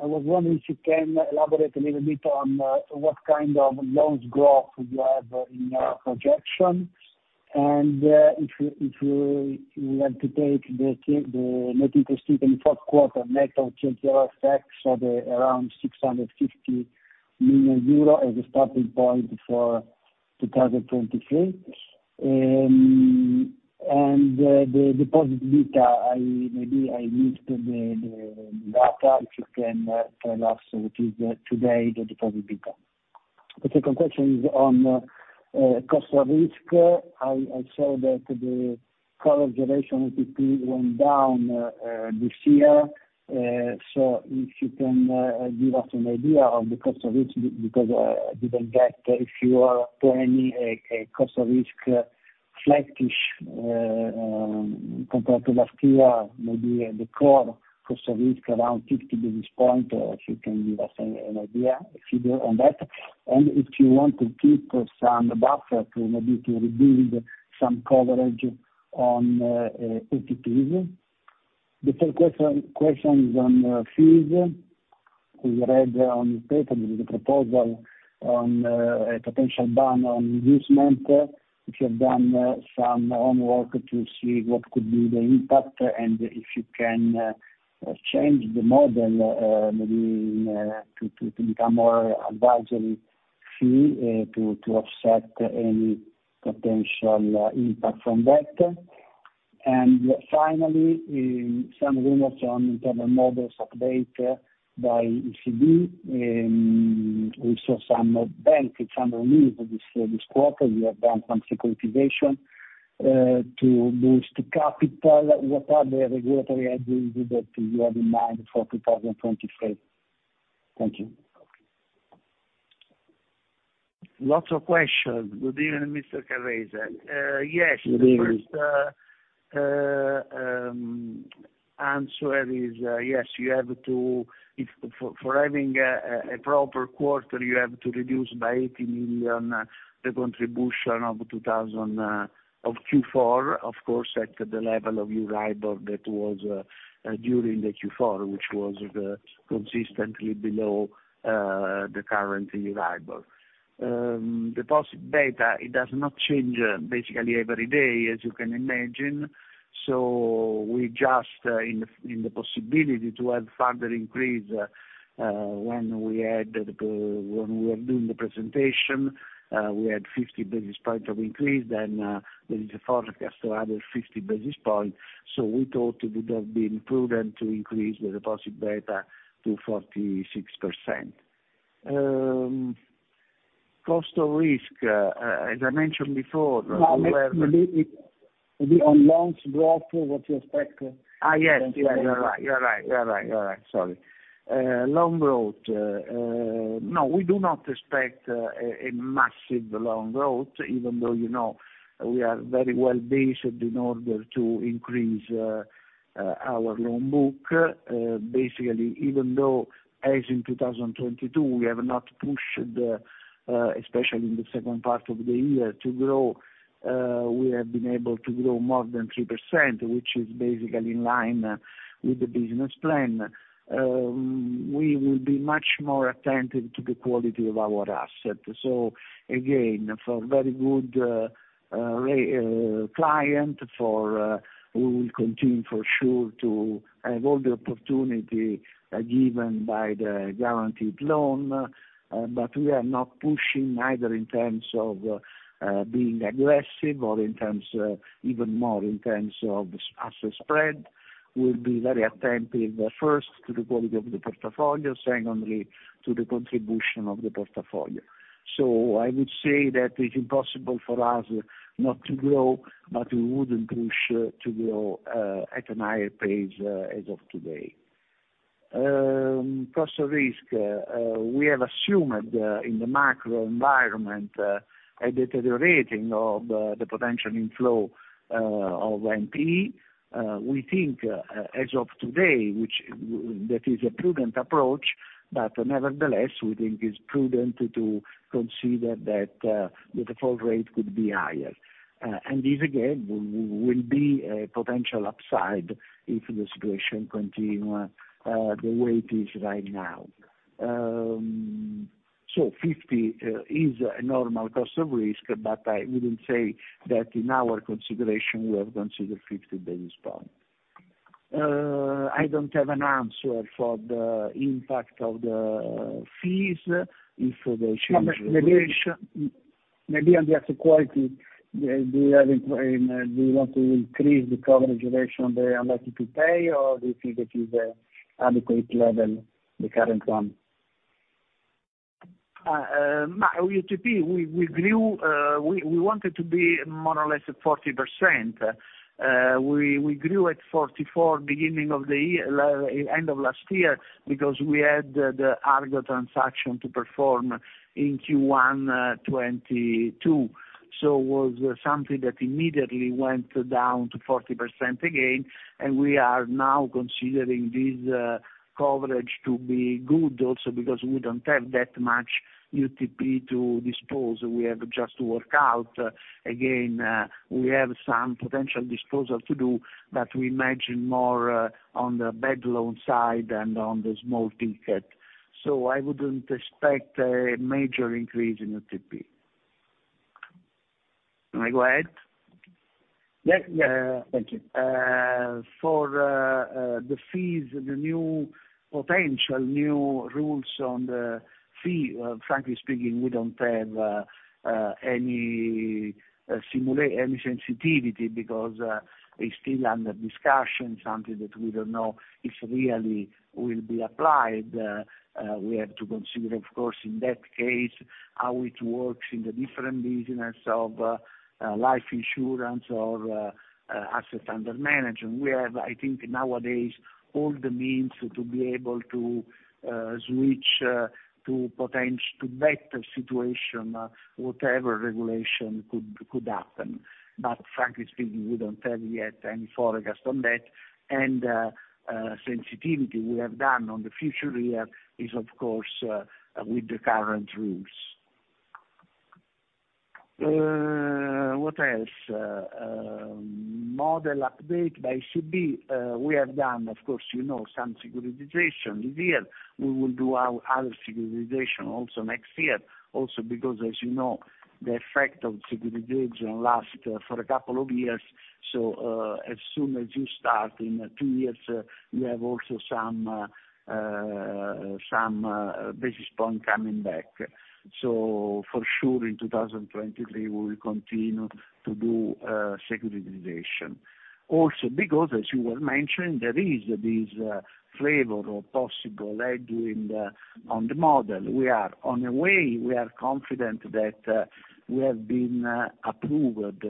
was wondering if you can elaborate a little bit on what kind of loans growth you have in your projection. If you had to take the net interest income in fourth quarter net of TLTRO effects, so the around 650 million euro as a starting point for 2023. The deposit beta, I maybe I missed the data. If you can tell us what is today the deposit beta. The second question is on cost of risk. I saw that the coverage ratio UTP went down this year. If you can give us an idea of the cost of risk, because I didn't get if you are planning a cost of risk flattish compared to last year, maybe the core cost of risk around 50 basis points, or if you can give us an idea, a figure on that, and if you want to keep some buffer to maybe to rebuild some coverage on OTPs. The third question is on fees. We read on paper the proposal on a potential ban on this month. If you have done some homework to see what could be the impact, and if you can change the model, maybe in to become more advisory fee to offset any potential impact from that. Finally, in some rumors on internal models update by ECB, we saw some banks, some relief this quarter. You have done some securitization to boost capital. What are the regulatory actions that you have in mind for 2023? Thank you. Lots of questions. Good evening Mr. Carrese. Yes. Good evening. The first answer is, yes, you have to. If for having a proper quarter, you have to reduce by 80 million the contribution of 2000 of Q4. At the level of Euribor that was during the Q4, which was consistently below the current Euribor. Deposit beta, it does not change basically every day, as you can imagine. We just in the possibility to have further increase, when we were doing the presentation, we had 50 basis points of increase, then there is a forecast to add 50 basis points. We thought it would have been prudent to increase the deposit beta to 46%. Cost of risk, as I mentioned before, we have. Maybe on loans growth, what you expect? Yes. You're right. You're right. You're right. You're right. Sorry. Loan growth. No, we do not expect a massive loan growth even though, you know, we are very well-based in order to increase our loan book. Basically even though as in 2022, we have not pushed, especially in the second part of the year to grow. We have been able to grow more than 3%, which is basically in line with the business plan. We will be much more attentive to the quality of our asset. Again, for very good client for, we will continue for sure to have all the opportunity given by the guaranteed loan, but we are not pushing either in terms of being aggressive or in terms, even more in terms of asset spread. We'll be very attentive first to the quality of the portfolio, secondly, to the contribution of the portfolio. I would say that it's impossible for us not to grow, but we wouldn't push to grow a higher pace as of today. Cost of risk. We have assumed in the macro environment a deteriorating of the potential inflow of NPE. We think as of today, which that is a prudent approach, but nevertheless, we think it's prudent to consider that the default rate could be higher. This again will be a potential upside if the situation continue the way it is right now. 50 is a normal cost of risk, but I wouldn't say that in our consideration we have considered 50 basis point. I don't have an answer for the impact of the fees if they change the regulation. Maybe on the asset quality, do you want to increase the coverage duration on the unlikely pay, or do you think it is an adequate level, the current one? UTP, we grew, we wanted to be more or less at 40%. We grew at 44 beginning of the year, end of last year because we had the Argo transaction to perform in Q1 2022. It was something that immediately went down to 40% again, and we are now considering this coverage to be good also because we don't have that much UTP to dispose. We have just to work out. Again, we have some potential disposal to do, but we imagine more on the bad loan side and on the small ticket. I wouldn't expect a major increase in UTP. May I go ahead? Yes. Yes. Thank you. For the fees, the new potential, new rules on the fee, frankly speaking, we don't have any sensitivity because it's still under discussion, something that we don't know if really will be applied. We have to consider, of course, in that case, how it works in the different business of life insurance or asset under management. We have, I think, nowadays, all the means to be able to switch to better situation, whatever regulation could happen. Frankly speaking, we don't have yet any forecast on that. Sensitivity we have done on the future year is, of course, with the current rules. What else? Model update by ECB, we have done, of course, you know, some securitization this year. We will do our other securitization also next year. Because as you know, the effect of securitization lasts for a couple of years, so, as soon as you start in two years, you have also some basis point coming back. For sure in 2023, we will continue to do securitization. Because as you were mentioning, there is this flavor or possible edge in the, on the model. We are on the way, we are confident that we have been approved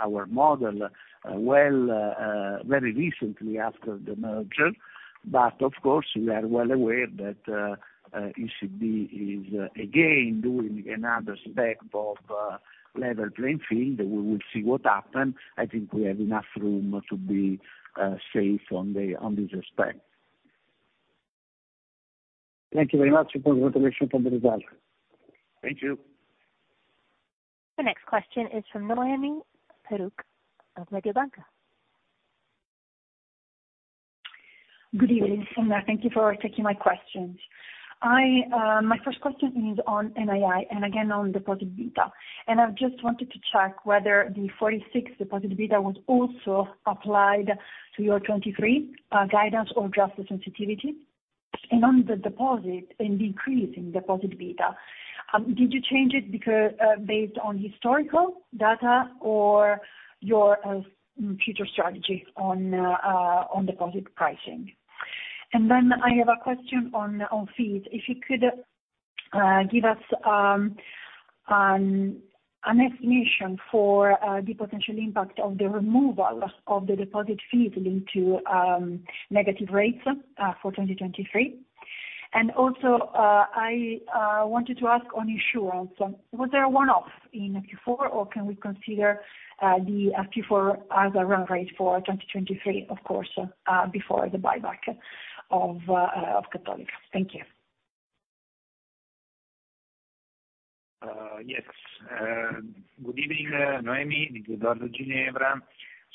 our model well very recently after the merger. Of course, we are well aware that ECB is again doing another spec of level playing field. We will see what happens. I think we have enough room to be safe on the, on this respect. Thank you very much and congratulations on the results. Thank you. The next question is from Noemi Peruch of Mediobanca. Good evening. Thank you for taking my questions. I, my first question is on NII and again on deposit beta. I just wanted to check whether the 46 deposit beta was also applied to your 2023 guidance or just the sensitivity. On the deposit, in decreasing deposit beta, did you change it because, based on historical data or your future strategy on deposit pricing? I have a question on fees. If you could give us an estimation for the potential impact of the removal of the deposit fees linked to negative rates for 2023. Also, I wanted to ask on insurance, was there a one-off in Q4, or can we consider the Q4 as a run rate for 2023, of course, before the buyback of Cattolica? Thank you.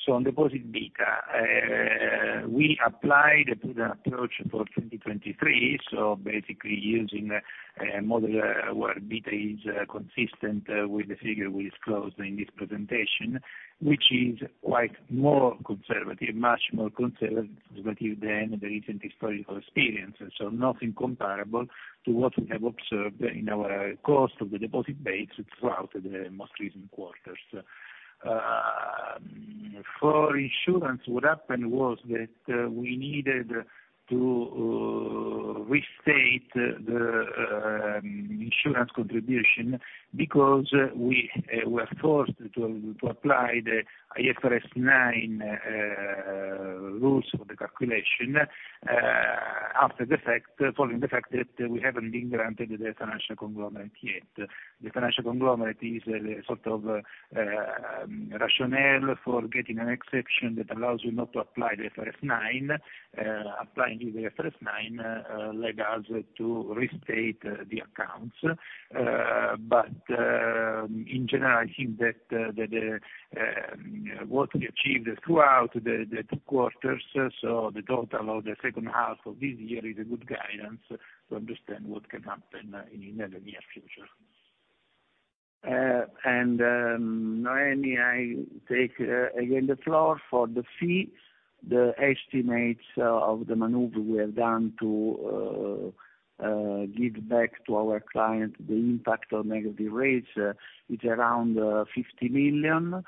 Yes. Good evening Noemi. Good morning, Ginevra. On deposit beta, we applied to the approach for 2023, basically using a model where beta is consistent with the figure we disclosed in this presentation, which is quite more conservative, much more conservative than the recent historical experience. Nothing comparable to what we have observed in our cost of the deposit base throughout the most recent quarters. For insurance, what happened was that we needed to restate the insurance contribution because we were forced to apply the IFRS 9 rules for the calculation after the fact, following the fact that we haven't been granted the financial conglomerate yet. The financial conglomerate is a sort of rationale for getting an exception that allows you not to apply the IFRS 9. Applying the IFRS 9 led us to restate the accounts. In general, I think that what we achieved throughout the two quarters, so the total of the H2 of this year is a good guidance to understand what can happen in the near future. Noemi, I take again, the floor. For the fees, the estimates of the maneuver we have done to give back to our client the impact of negative rates is around 50 million.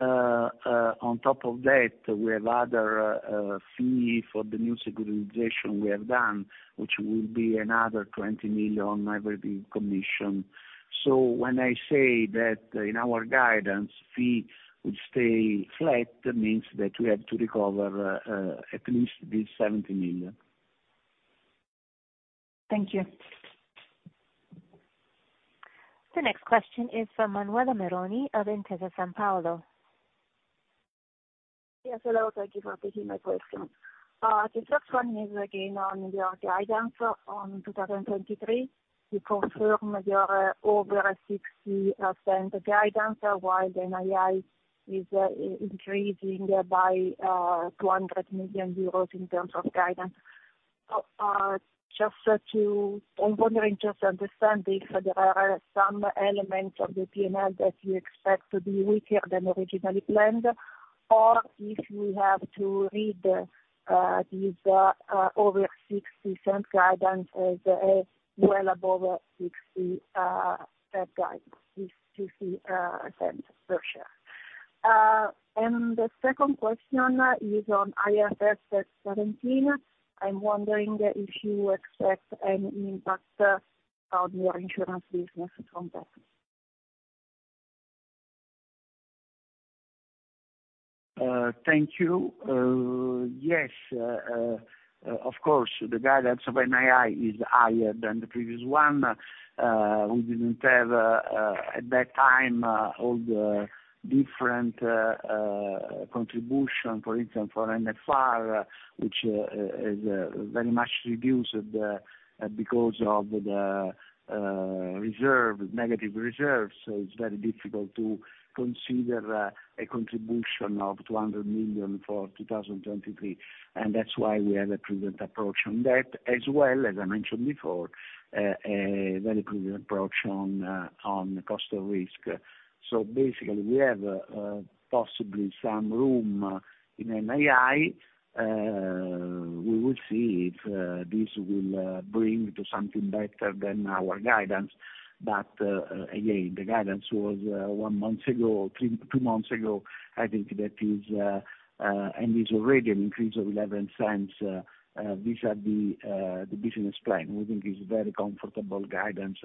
On top of that, we have other fee for the new securitization we have done, which will be another 20 million every commission. When I say that in our guidance fees will stay flat, that means that we have to recover at least this 70 million. Thank you. The next question is from Manuela Meroni of Intesa Sanpaolo. Yes, hello. Thank you for taking my question. The first one is again on your guidance on 2023. You confirm your over 60% guidance, while the NII is increasing by 200 million euros in terms of guidance. I'm wondering just to understand if there are some elements of the P&L that you expect to be weaker than originally planned, or if we have to read these over 0.60 guidance as well above 0.60 guidance, 0.60 per share. The second question is on IFRS 17. I'm wondering if you expect any impact on your insurance business from that. Thank you. Yes, of course, the guidance of NII is higher than the previous one. We didn't have at that time all the different contribution, for instance, for NFR, which is very much reduced the, because of the reserve, negative reserve. So it's very difficult to consider a contribution of 200 million for 2023. That's why we have a prudent approach on that as well, as I mentioned before, a very prudent approach on cost of risk. Basically, we have possibly some room in NII. We will see if this will bring to something better than our guidance. Again, the guidance was one month ago. Two months ago. I think that is, already an increase of 0.11, vis-a-vis, the business plan. We think it's very comfortable guidance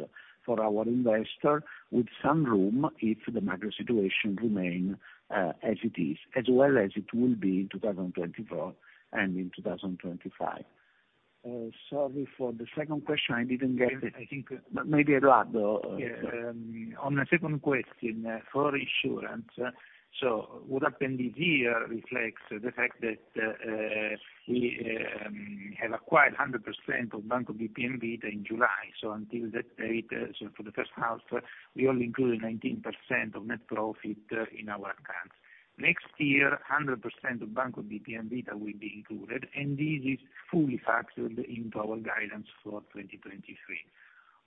for our investor with some room if the macro situation remain, as it is, as well as it will be in 2024 and in 2025. Sorry for the second question. I didn't get it. I think. Maybe Eduardo. Yeah. On the second question, for insurance. What happened this year reflects the fact that we have acquired 100% of Banco BPM in July. Until that date, for the H1 we only included 19% of net profit in our accounts. Next year, 100% of Banco BPM will be included, and this is fully factored into our guidance for 2023.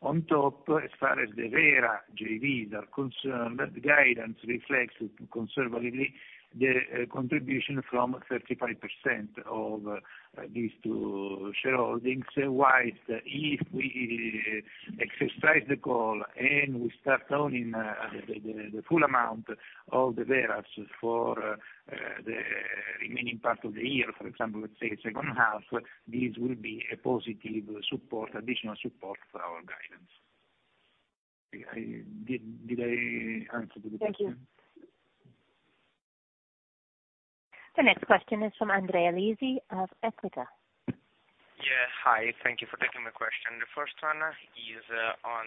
On top, as far as the Vera JVs are concerned, that guidance reflects conservatively the contribution from 35% of these two shareholdings. If we exercise the call and we start owning the full amount of the Veras for the remaining part of the year, for example, let's say second half, this will be a positive support, additional support for our guidance. Did I answer the question? Thank you. The next question is from Andrea Lisi of EQUITA. Yeah. Hi, thank you for taking my question. The first one is on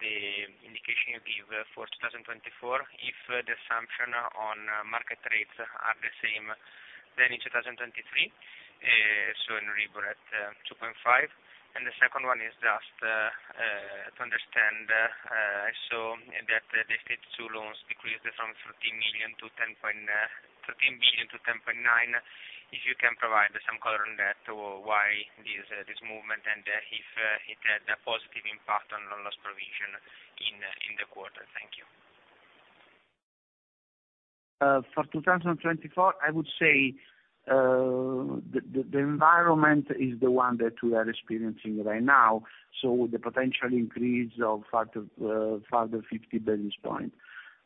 the indication you give for 2024. If the assumption on market rates are the same than in 2023, so Euribor at 2.5. The second one is just to understand so that the Stage 2 loans decreased from 13 billion-10.9 billion. If you can provide some color on that or why this movement and if it had a positive impact on loan loss provision in the quarter. Thank you. For 2024, I would say the environment is the one that we are experiencing right now, so the potential increase of factor, further 50 basis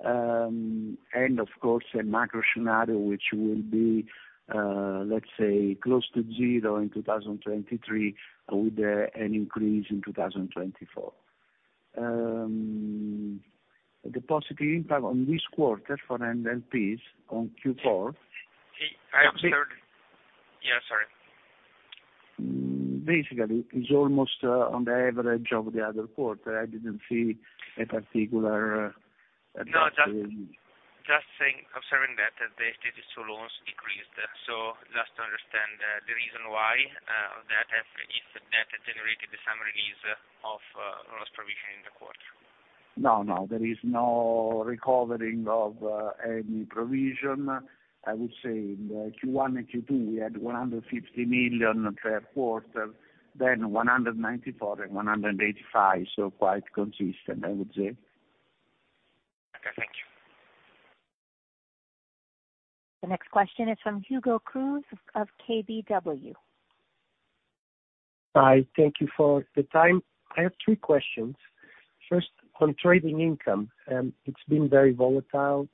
point. Of course, a macro scenario, which will be, let's say close to zero in 2023, with an increase in 2024. The positive impact on this quarter for MLPs on Q4. I observed. Yeah, sorry. Basically, it's almost on the average of the other quarter. I didn't see a particular. No, just saying, observing that the Stage 2 loans decreased. Just to understand the reason why that if that generated some release of loss provision in the quarter. No, no, there is no recovering of any provision. I would say in the Q1 and Q2, we had 150 million per quarter, then 194 and 185. Quite consistent, I would say. Okay. Thank you. The next question is from Hugo Cruz of KBW. Hi. Thank you for the time. I have three questions. First, on trading income, it's been very volatile.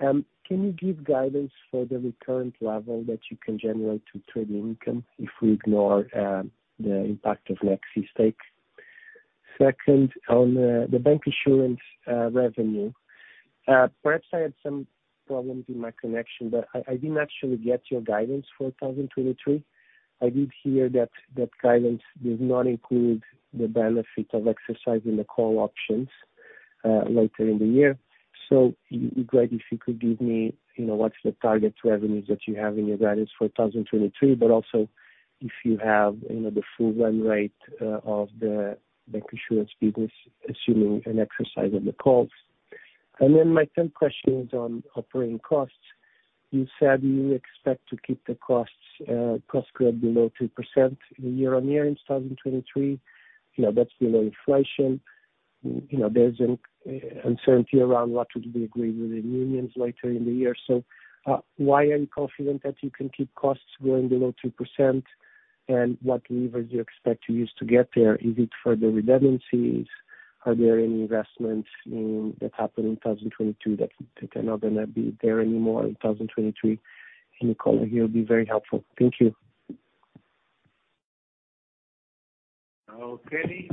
Can you give guidance for the recurrent level that you can generate to trading income if we ignore the impact of Nexi stake? Second, on the bank insurance revenue. Perhaps I had some problems in my connection, but I didn't actually get your guidance for 2023. I did hear that that guidance does not include the benefit of exercising the call options later in the year. It'd be great if you could give me, you know, what's the target revenues that you have in your guidance for 2023, but also if you have, you know, the full run rate of the bank insurance business, assuming an exercise of the calls. My third question is on operating costs. You said you expect to keep the costs growth below 2% year-over-year in 2023. You know, that's below inflation. You know, there's an uncertainty around what would be agreed with the unions later in the year. Why are you confident that you can keep costs growing below 2%, and what levers do you expect to use to get there? Is it further redundancies? Are there any investments in that happened in 2022 that are not gonna be there anymore in 2023? Any color here would be very helpful. Thank you. Okay.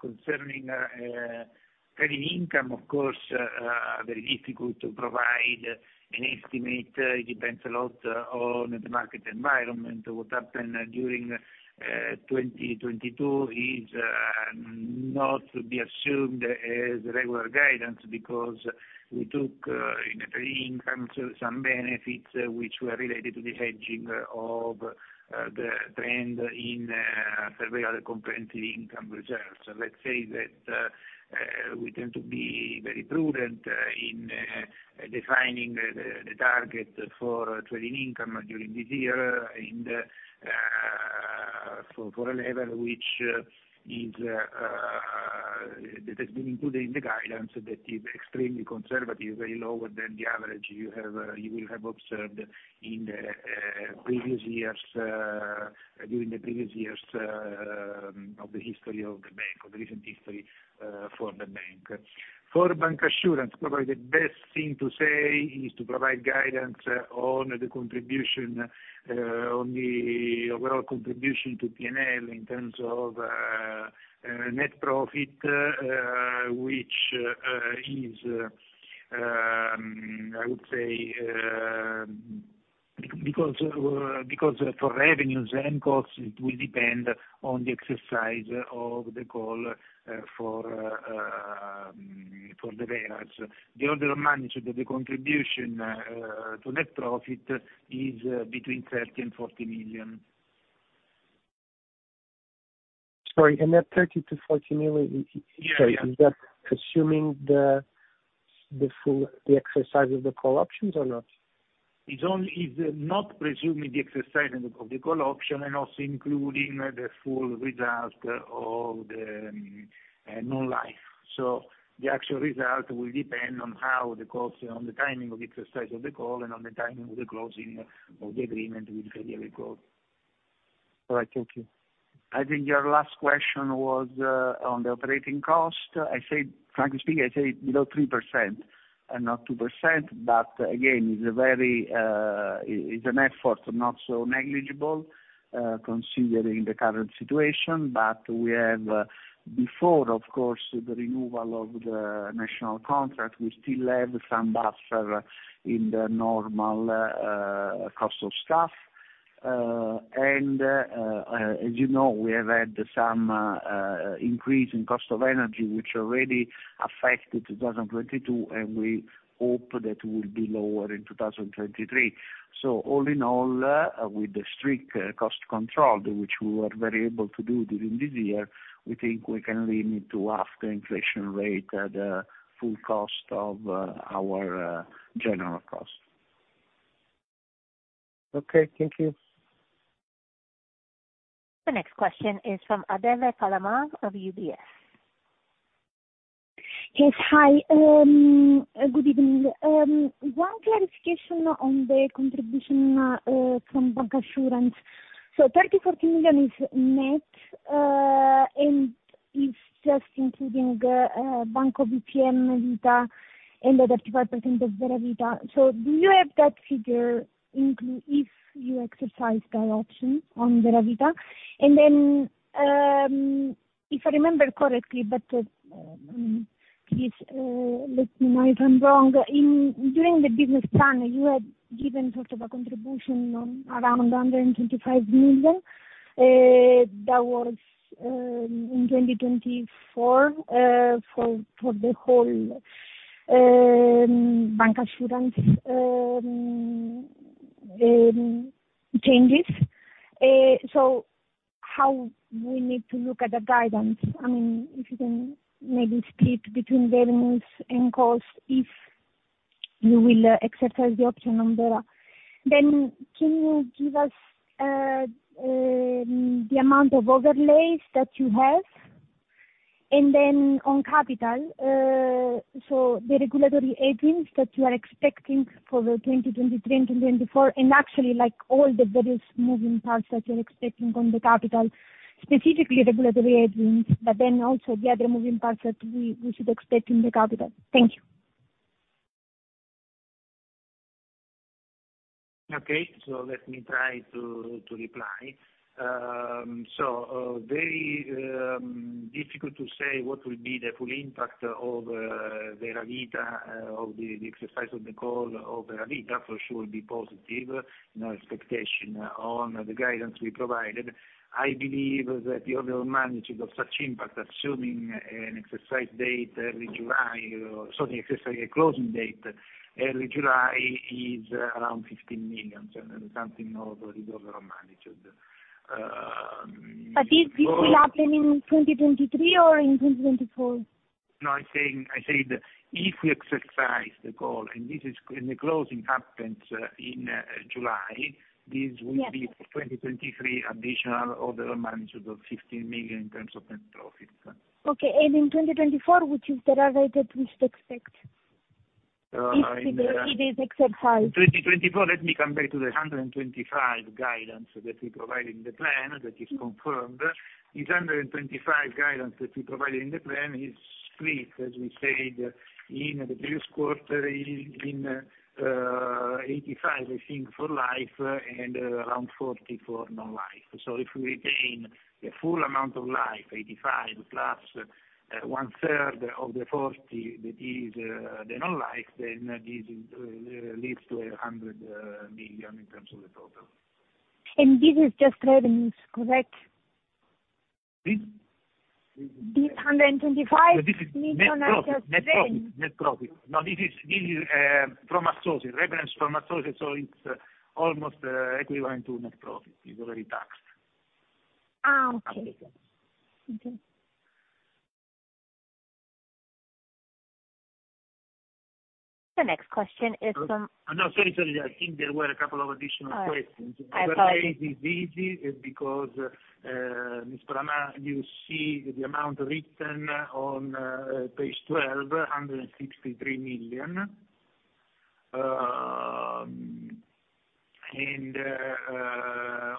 concerning trading income, of course, very difficult to provide an estimate. It depends a lot on the market environment. What happened during 2022 is not to be assumed as regular guidance because we took in the trading incomes some benefits which were related to the hedging of the trend in survey comprehensive income results. Let's say that we tend to be very prudent in defining the target for trading income during this year and for a level which is that has been included in the guidance that is extremely conservative, very lower than the average you have observed in the previous years during the previous years of the history of the bank, of the recent history for the bank. For bancassurance, probably the best thing to say is to provide guidance on the contribution on the overall contribution to P&L in terms of net profit, which is I would say because for revenues and costs, it will depend on the exercise of the call for the variance. The order of magnitude of the contribution to net profit is between 30 million and 40 million. That 30 million-40 million is that assuming the full, the exercise of the call options or not? It's not presuming the exercise of the call option and also including the full result of the non-life. The actual result will depend on the timing of the exercise of the call and on the timing of the closing of the agreement with Credito Cooperativo. All right, thank you. I think your last question was on the operating cost. I said, frankly speaking, I said below 3% and not 2%. Again, it's a very, it's an effort not so negligible, considering the current situation. We have, before, of course, the renewal of the national contract, we still have some buffer in the normal cost of staff. And, as you know, we have had some increase in cost of energy which already affected 2022, and we hope that will be lower in 2023. All in all, with the strict cost control, which we were very able to do during this year, we think we can limit to half the inflation rate at full cost of our general cost. Okay, thank you. The next question is from Adele Palamà of UBS. Yes. Hi. Good evening. One clarification on the contribution from bancassurance. EUR 30million-40 million is net, and it's just including Banco BPM, Medita, and the 35% of Vera Vita. Do you have that figure if you exercise that option on Vera Vita? If I remember correctly, please let me know if I'm wrong. During the business plan, you had given sort of a contribution on around under 25 million. That was in 2024 for the whole bancassurance changes. How we need to look at the guidance? I mean, if you can maybe split between revenues and costs, if you will exercise the option on Vera. Can you give us the amount of overlays that you have? On capital, the regulatory agings that you are expecting for 2023, 2024, actually like all the various moving parts that you're expecting on the capital, specifically regulatory agings, the other moving parts that we should expect in the capital? Thank you. Okay. Let me try to reply. Very difficult to say what will be the full impact of Vera Vita of the exercise of the call of Vera Vita. For sure will be positive, no expectation on the guidance we provided. I believe that the overall management of such impact, assuming an exercise date early July, or sorry, exercise closing date early July is around 15 million, something of the order of magnitude. This will happen in 2023 or in 2024? No, I'm saying, I said if we exercise the call, this is when the closing happens in July, this will be 2023 additional order of magnitude of 15 million in terms of net profit. Okay. In 2024, which is Vera Vita we should expect? It is except five. In 2024, let me come back to the 125 guidance that we provided in the plan that is confirmed. This 125 guidance that we provided in the plan is split, as we said in the previous quarter, in 85, I think for life and around 40 for non-life. If we retain the full amount of life, 85+ 1/3 of the 40, that is the non-life, this leads to 100 million in terms of the total. This is just revenues, correct? Please. This 125. Net profit. No, this is from associates, revenues from associates, so it's almost equivalent to net profit. It's already taxed. Okay. Okay. The next question is. No, sorry. I think there were a couple of additional questions. Oh, I apologize. This is easy because Ms. Palamà, you see the amount written on page 12, EUR 163 million.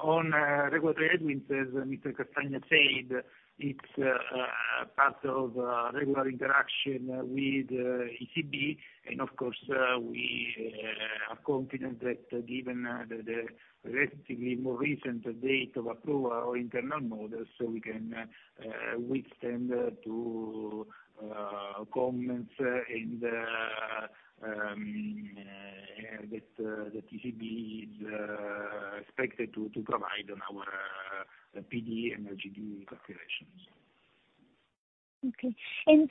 On regulatory headwinds, as Mr. Castagna said, it's part of regular interaction with ECB. Of course, we are confident that given the relatively more recent date of approval or internal models, so we can withstand to comments and that the ECB is expected to provide on our PD and LGD calculations. Okay.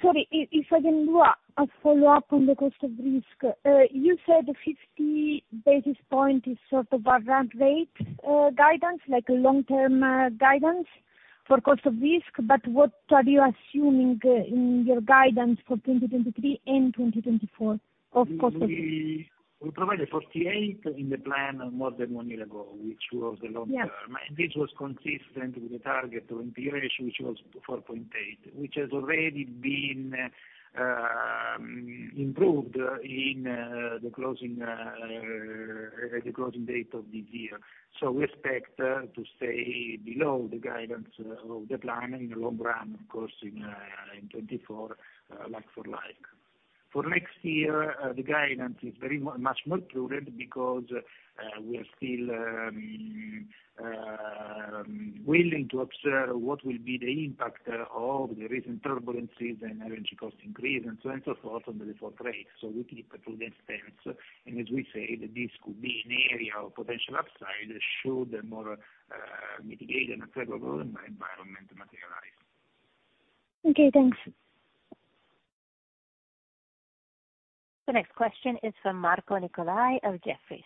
Sorry if I can do a follow-up on the cost of risk. You said 50 basis point is sort of our ramp rate guidance, like a long-term guidance for cost of risk. What are you assuming in your guidance for 2023 and 2024 of cost of risk? We provided 48 in the plan more than one year ago, which was the long term. Yeah. This was consistent with the target of the ratio, which was 4.8, which has already been improved in the closing, the closing date of this year. We expect to stay below the guidance of the plan in the long run, of course, in 2024, like for like. For next year, the guidance is very much more prudent because we are still willing to observe what will be the impact of the recent turbulences and energy cost increase and so and so forth on the default rate. We keep a prudent stance, and as we said, this could be an area of potential upside should more mitigated and favorable environment materialize. Okay, thanks. The next question is from Marco Nicolai of Jefferies.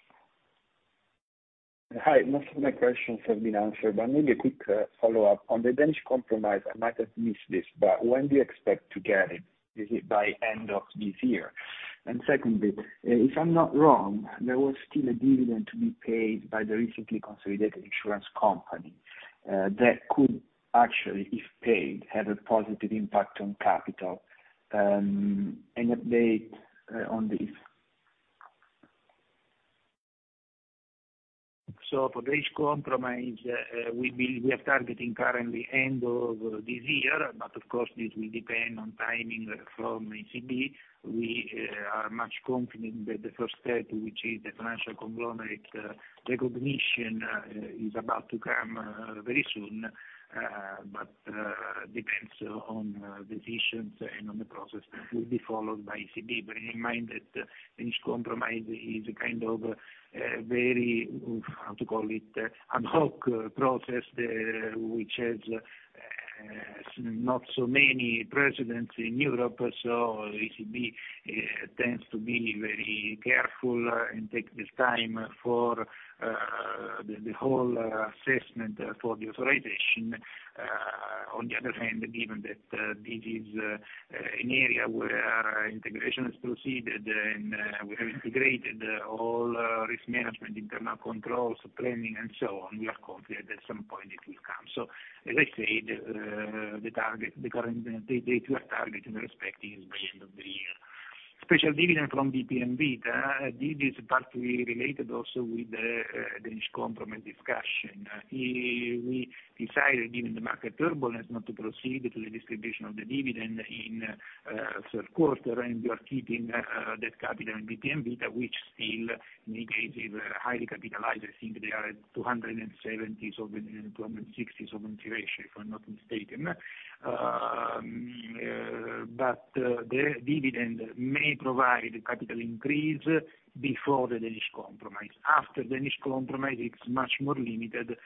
Hi. Most of my questions have been answered, but maybe a quick follow-up on the Danish compromise. I might have missed this, but when do you expect to get it? Is it by end of this year? Secondly, if I'm not wrong, there was still a dividend to be paid by the recently consolidated insurance company, that could actually, if paid, have a positive impact on capital. Any update on this? For Danish compromise, we are targeting currently end of this year. Of course this will depend on timing from ECB. We are much confident that the first step, which is the financial conglomerate recognition, is about to come very soon. Depends on decisions and on the process that will be followed by ECB. Bearing in mind that Danish compromise is a kind of very, how to call it, ad hoc process, which has not so many precedents in Europe. ECB tends to be very careful and take this time for the whole assessment for the authorization. On the other hand, given that this is an area where integration has proceeded and we have integrated all risk management, internal controls, planning and so on, we are confident at some point it will come. As I said, the target, the current date we are targeting respectively is by end of the year. Special dividend from BPM Vita. This is partly related also with the Danish compromise discussion. We decided given the market turbulence not to proceed with the distribution of the dividend in third quarter, and we are keeping that capital in BPM Vita, which still negative, highly capitalized. I think they are at 270 or 260 of ratio, if I'm not mistaken. The dividend may provide capital increase before the Danish compromise. After Danish compromise, it's much more limited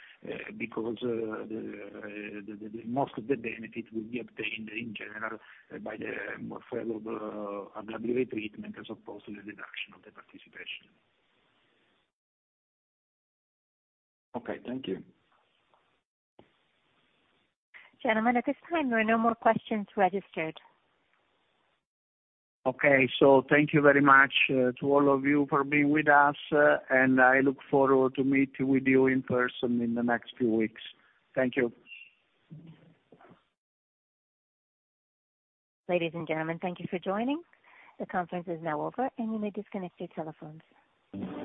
because the most of the benefit will be obtained in general by the more favorable DTA treatment as opposed to the reduction of the participation. Okay thank you. Gentlemen, at this time there are no more questions registered. Okay. Thank you very much, to all of you for being with us, and I look forward to meeting with you in person in the next few weeks. Thank you. Ladies and gentlemen, thank you for joining. The conference is now over and you may disconnect your telephones.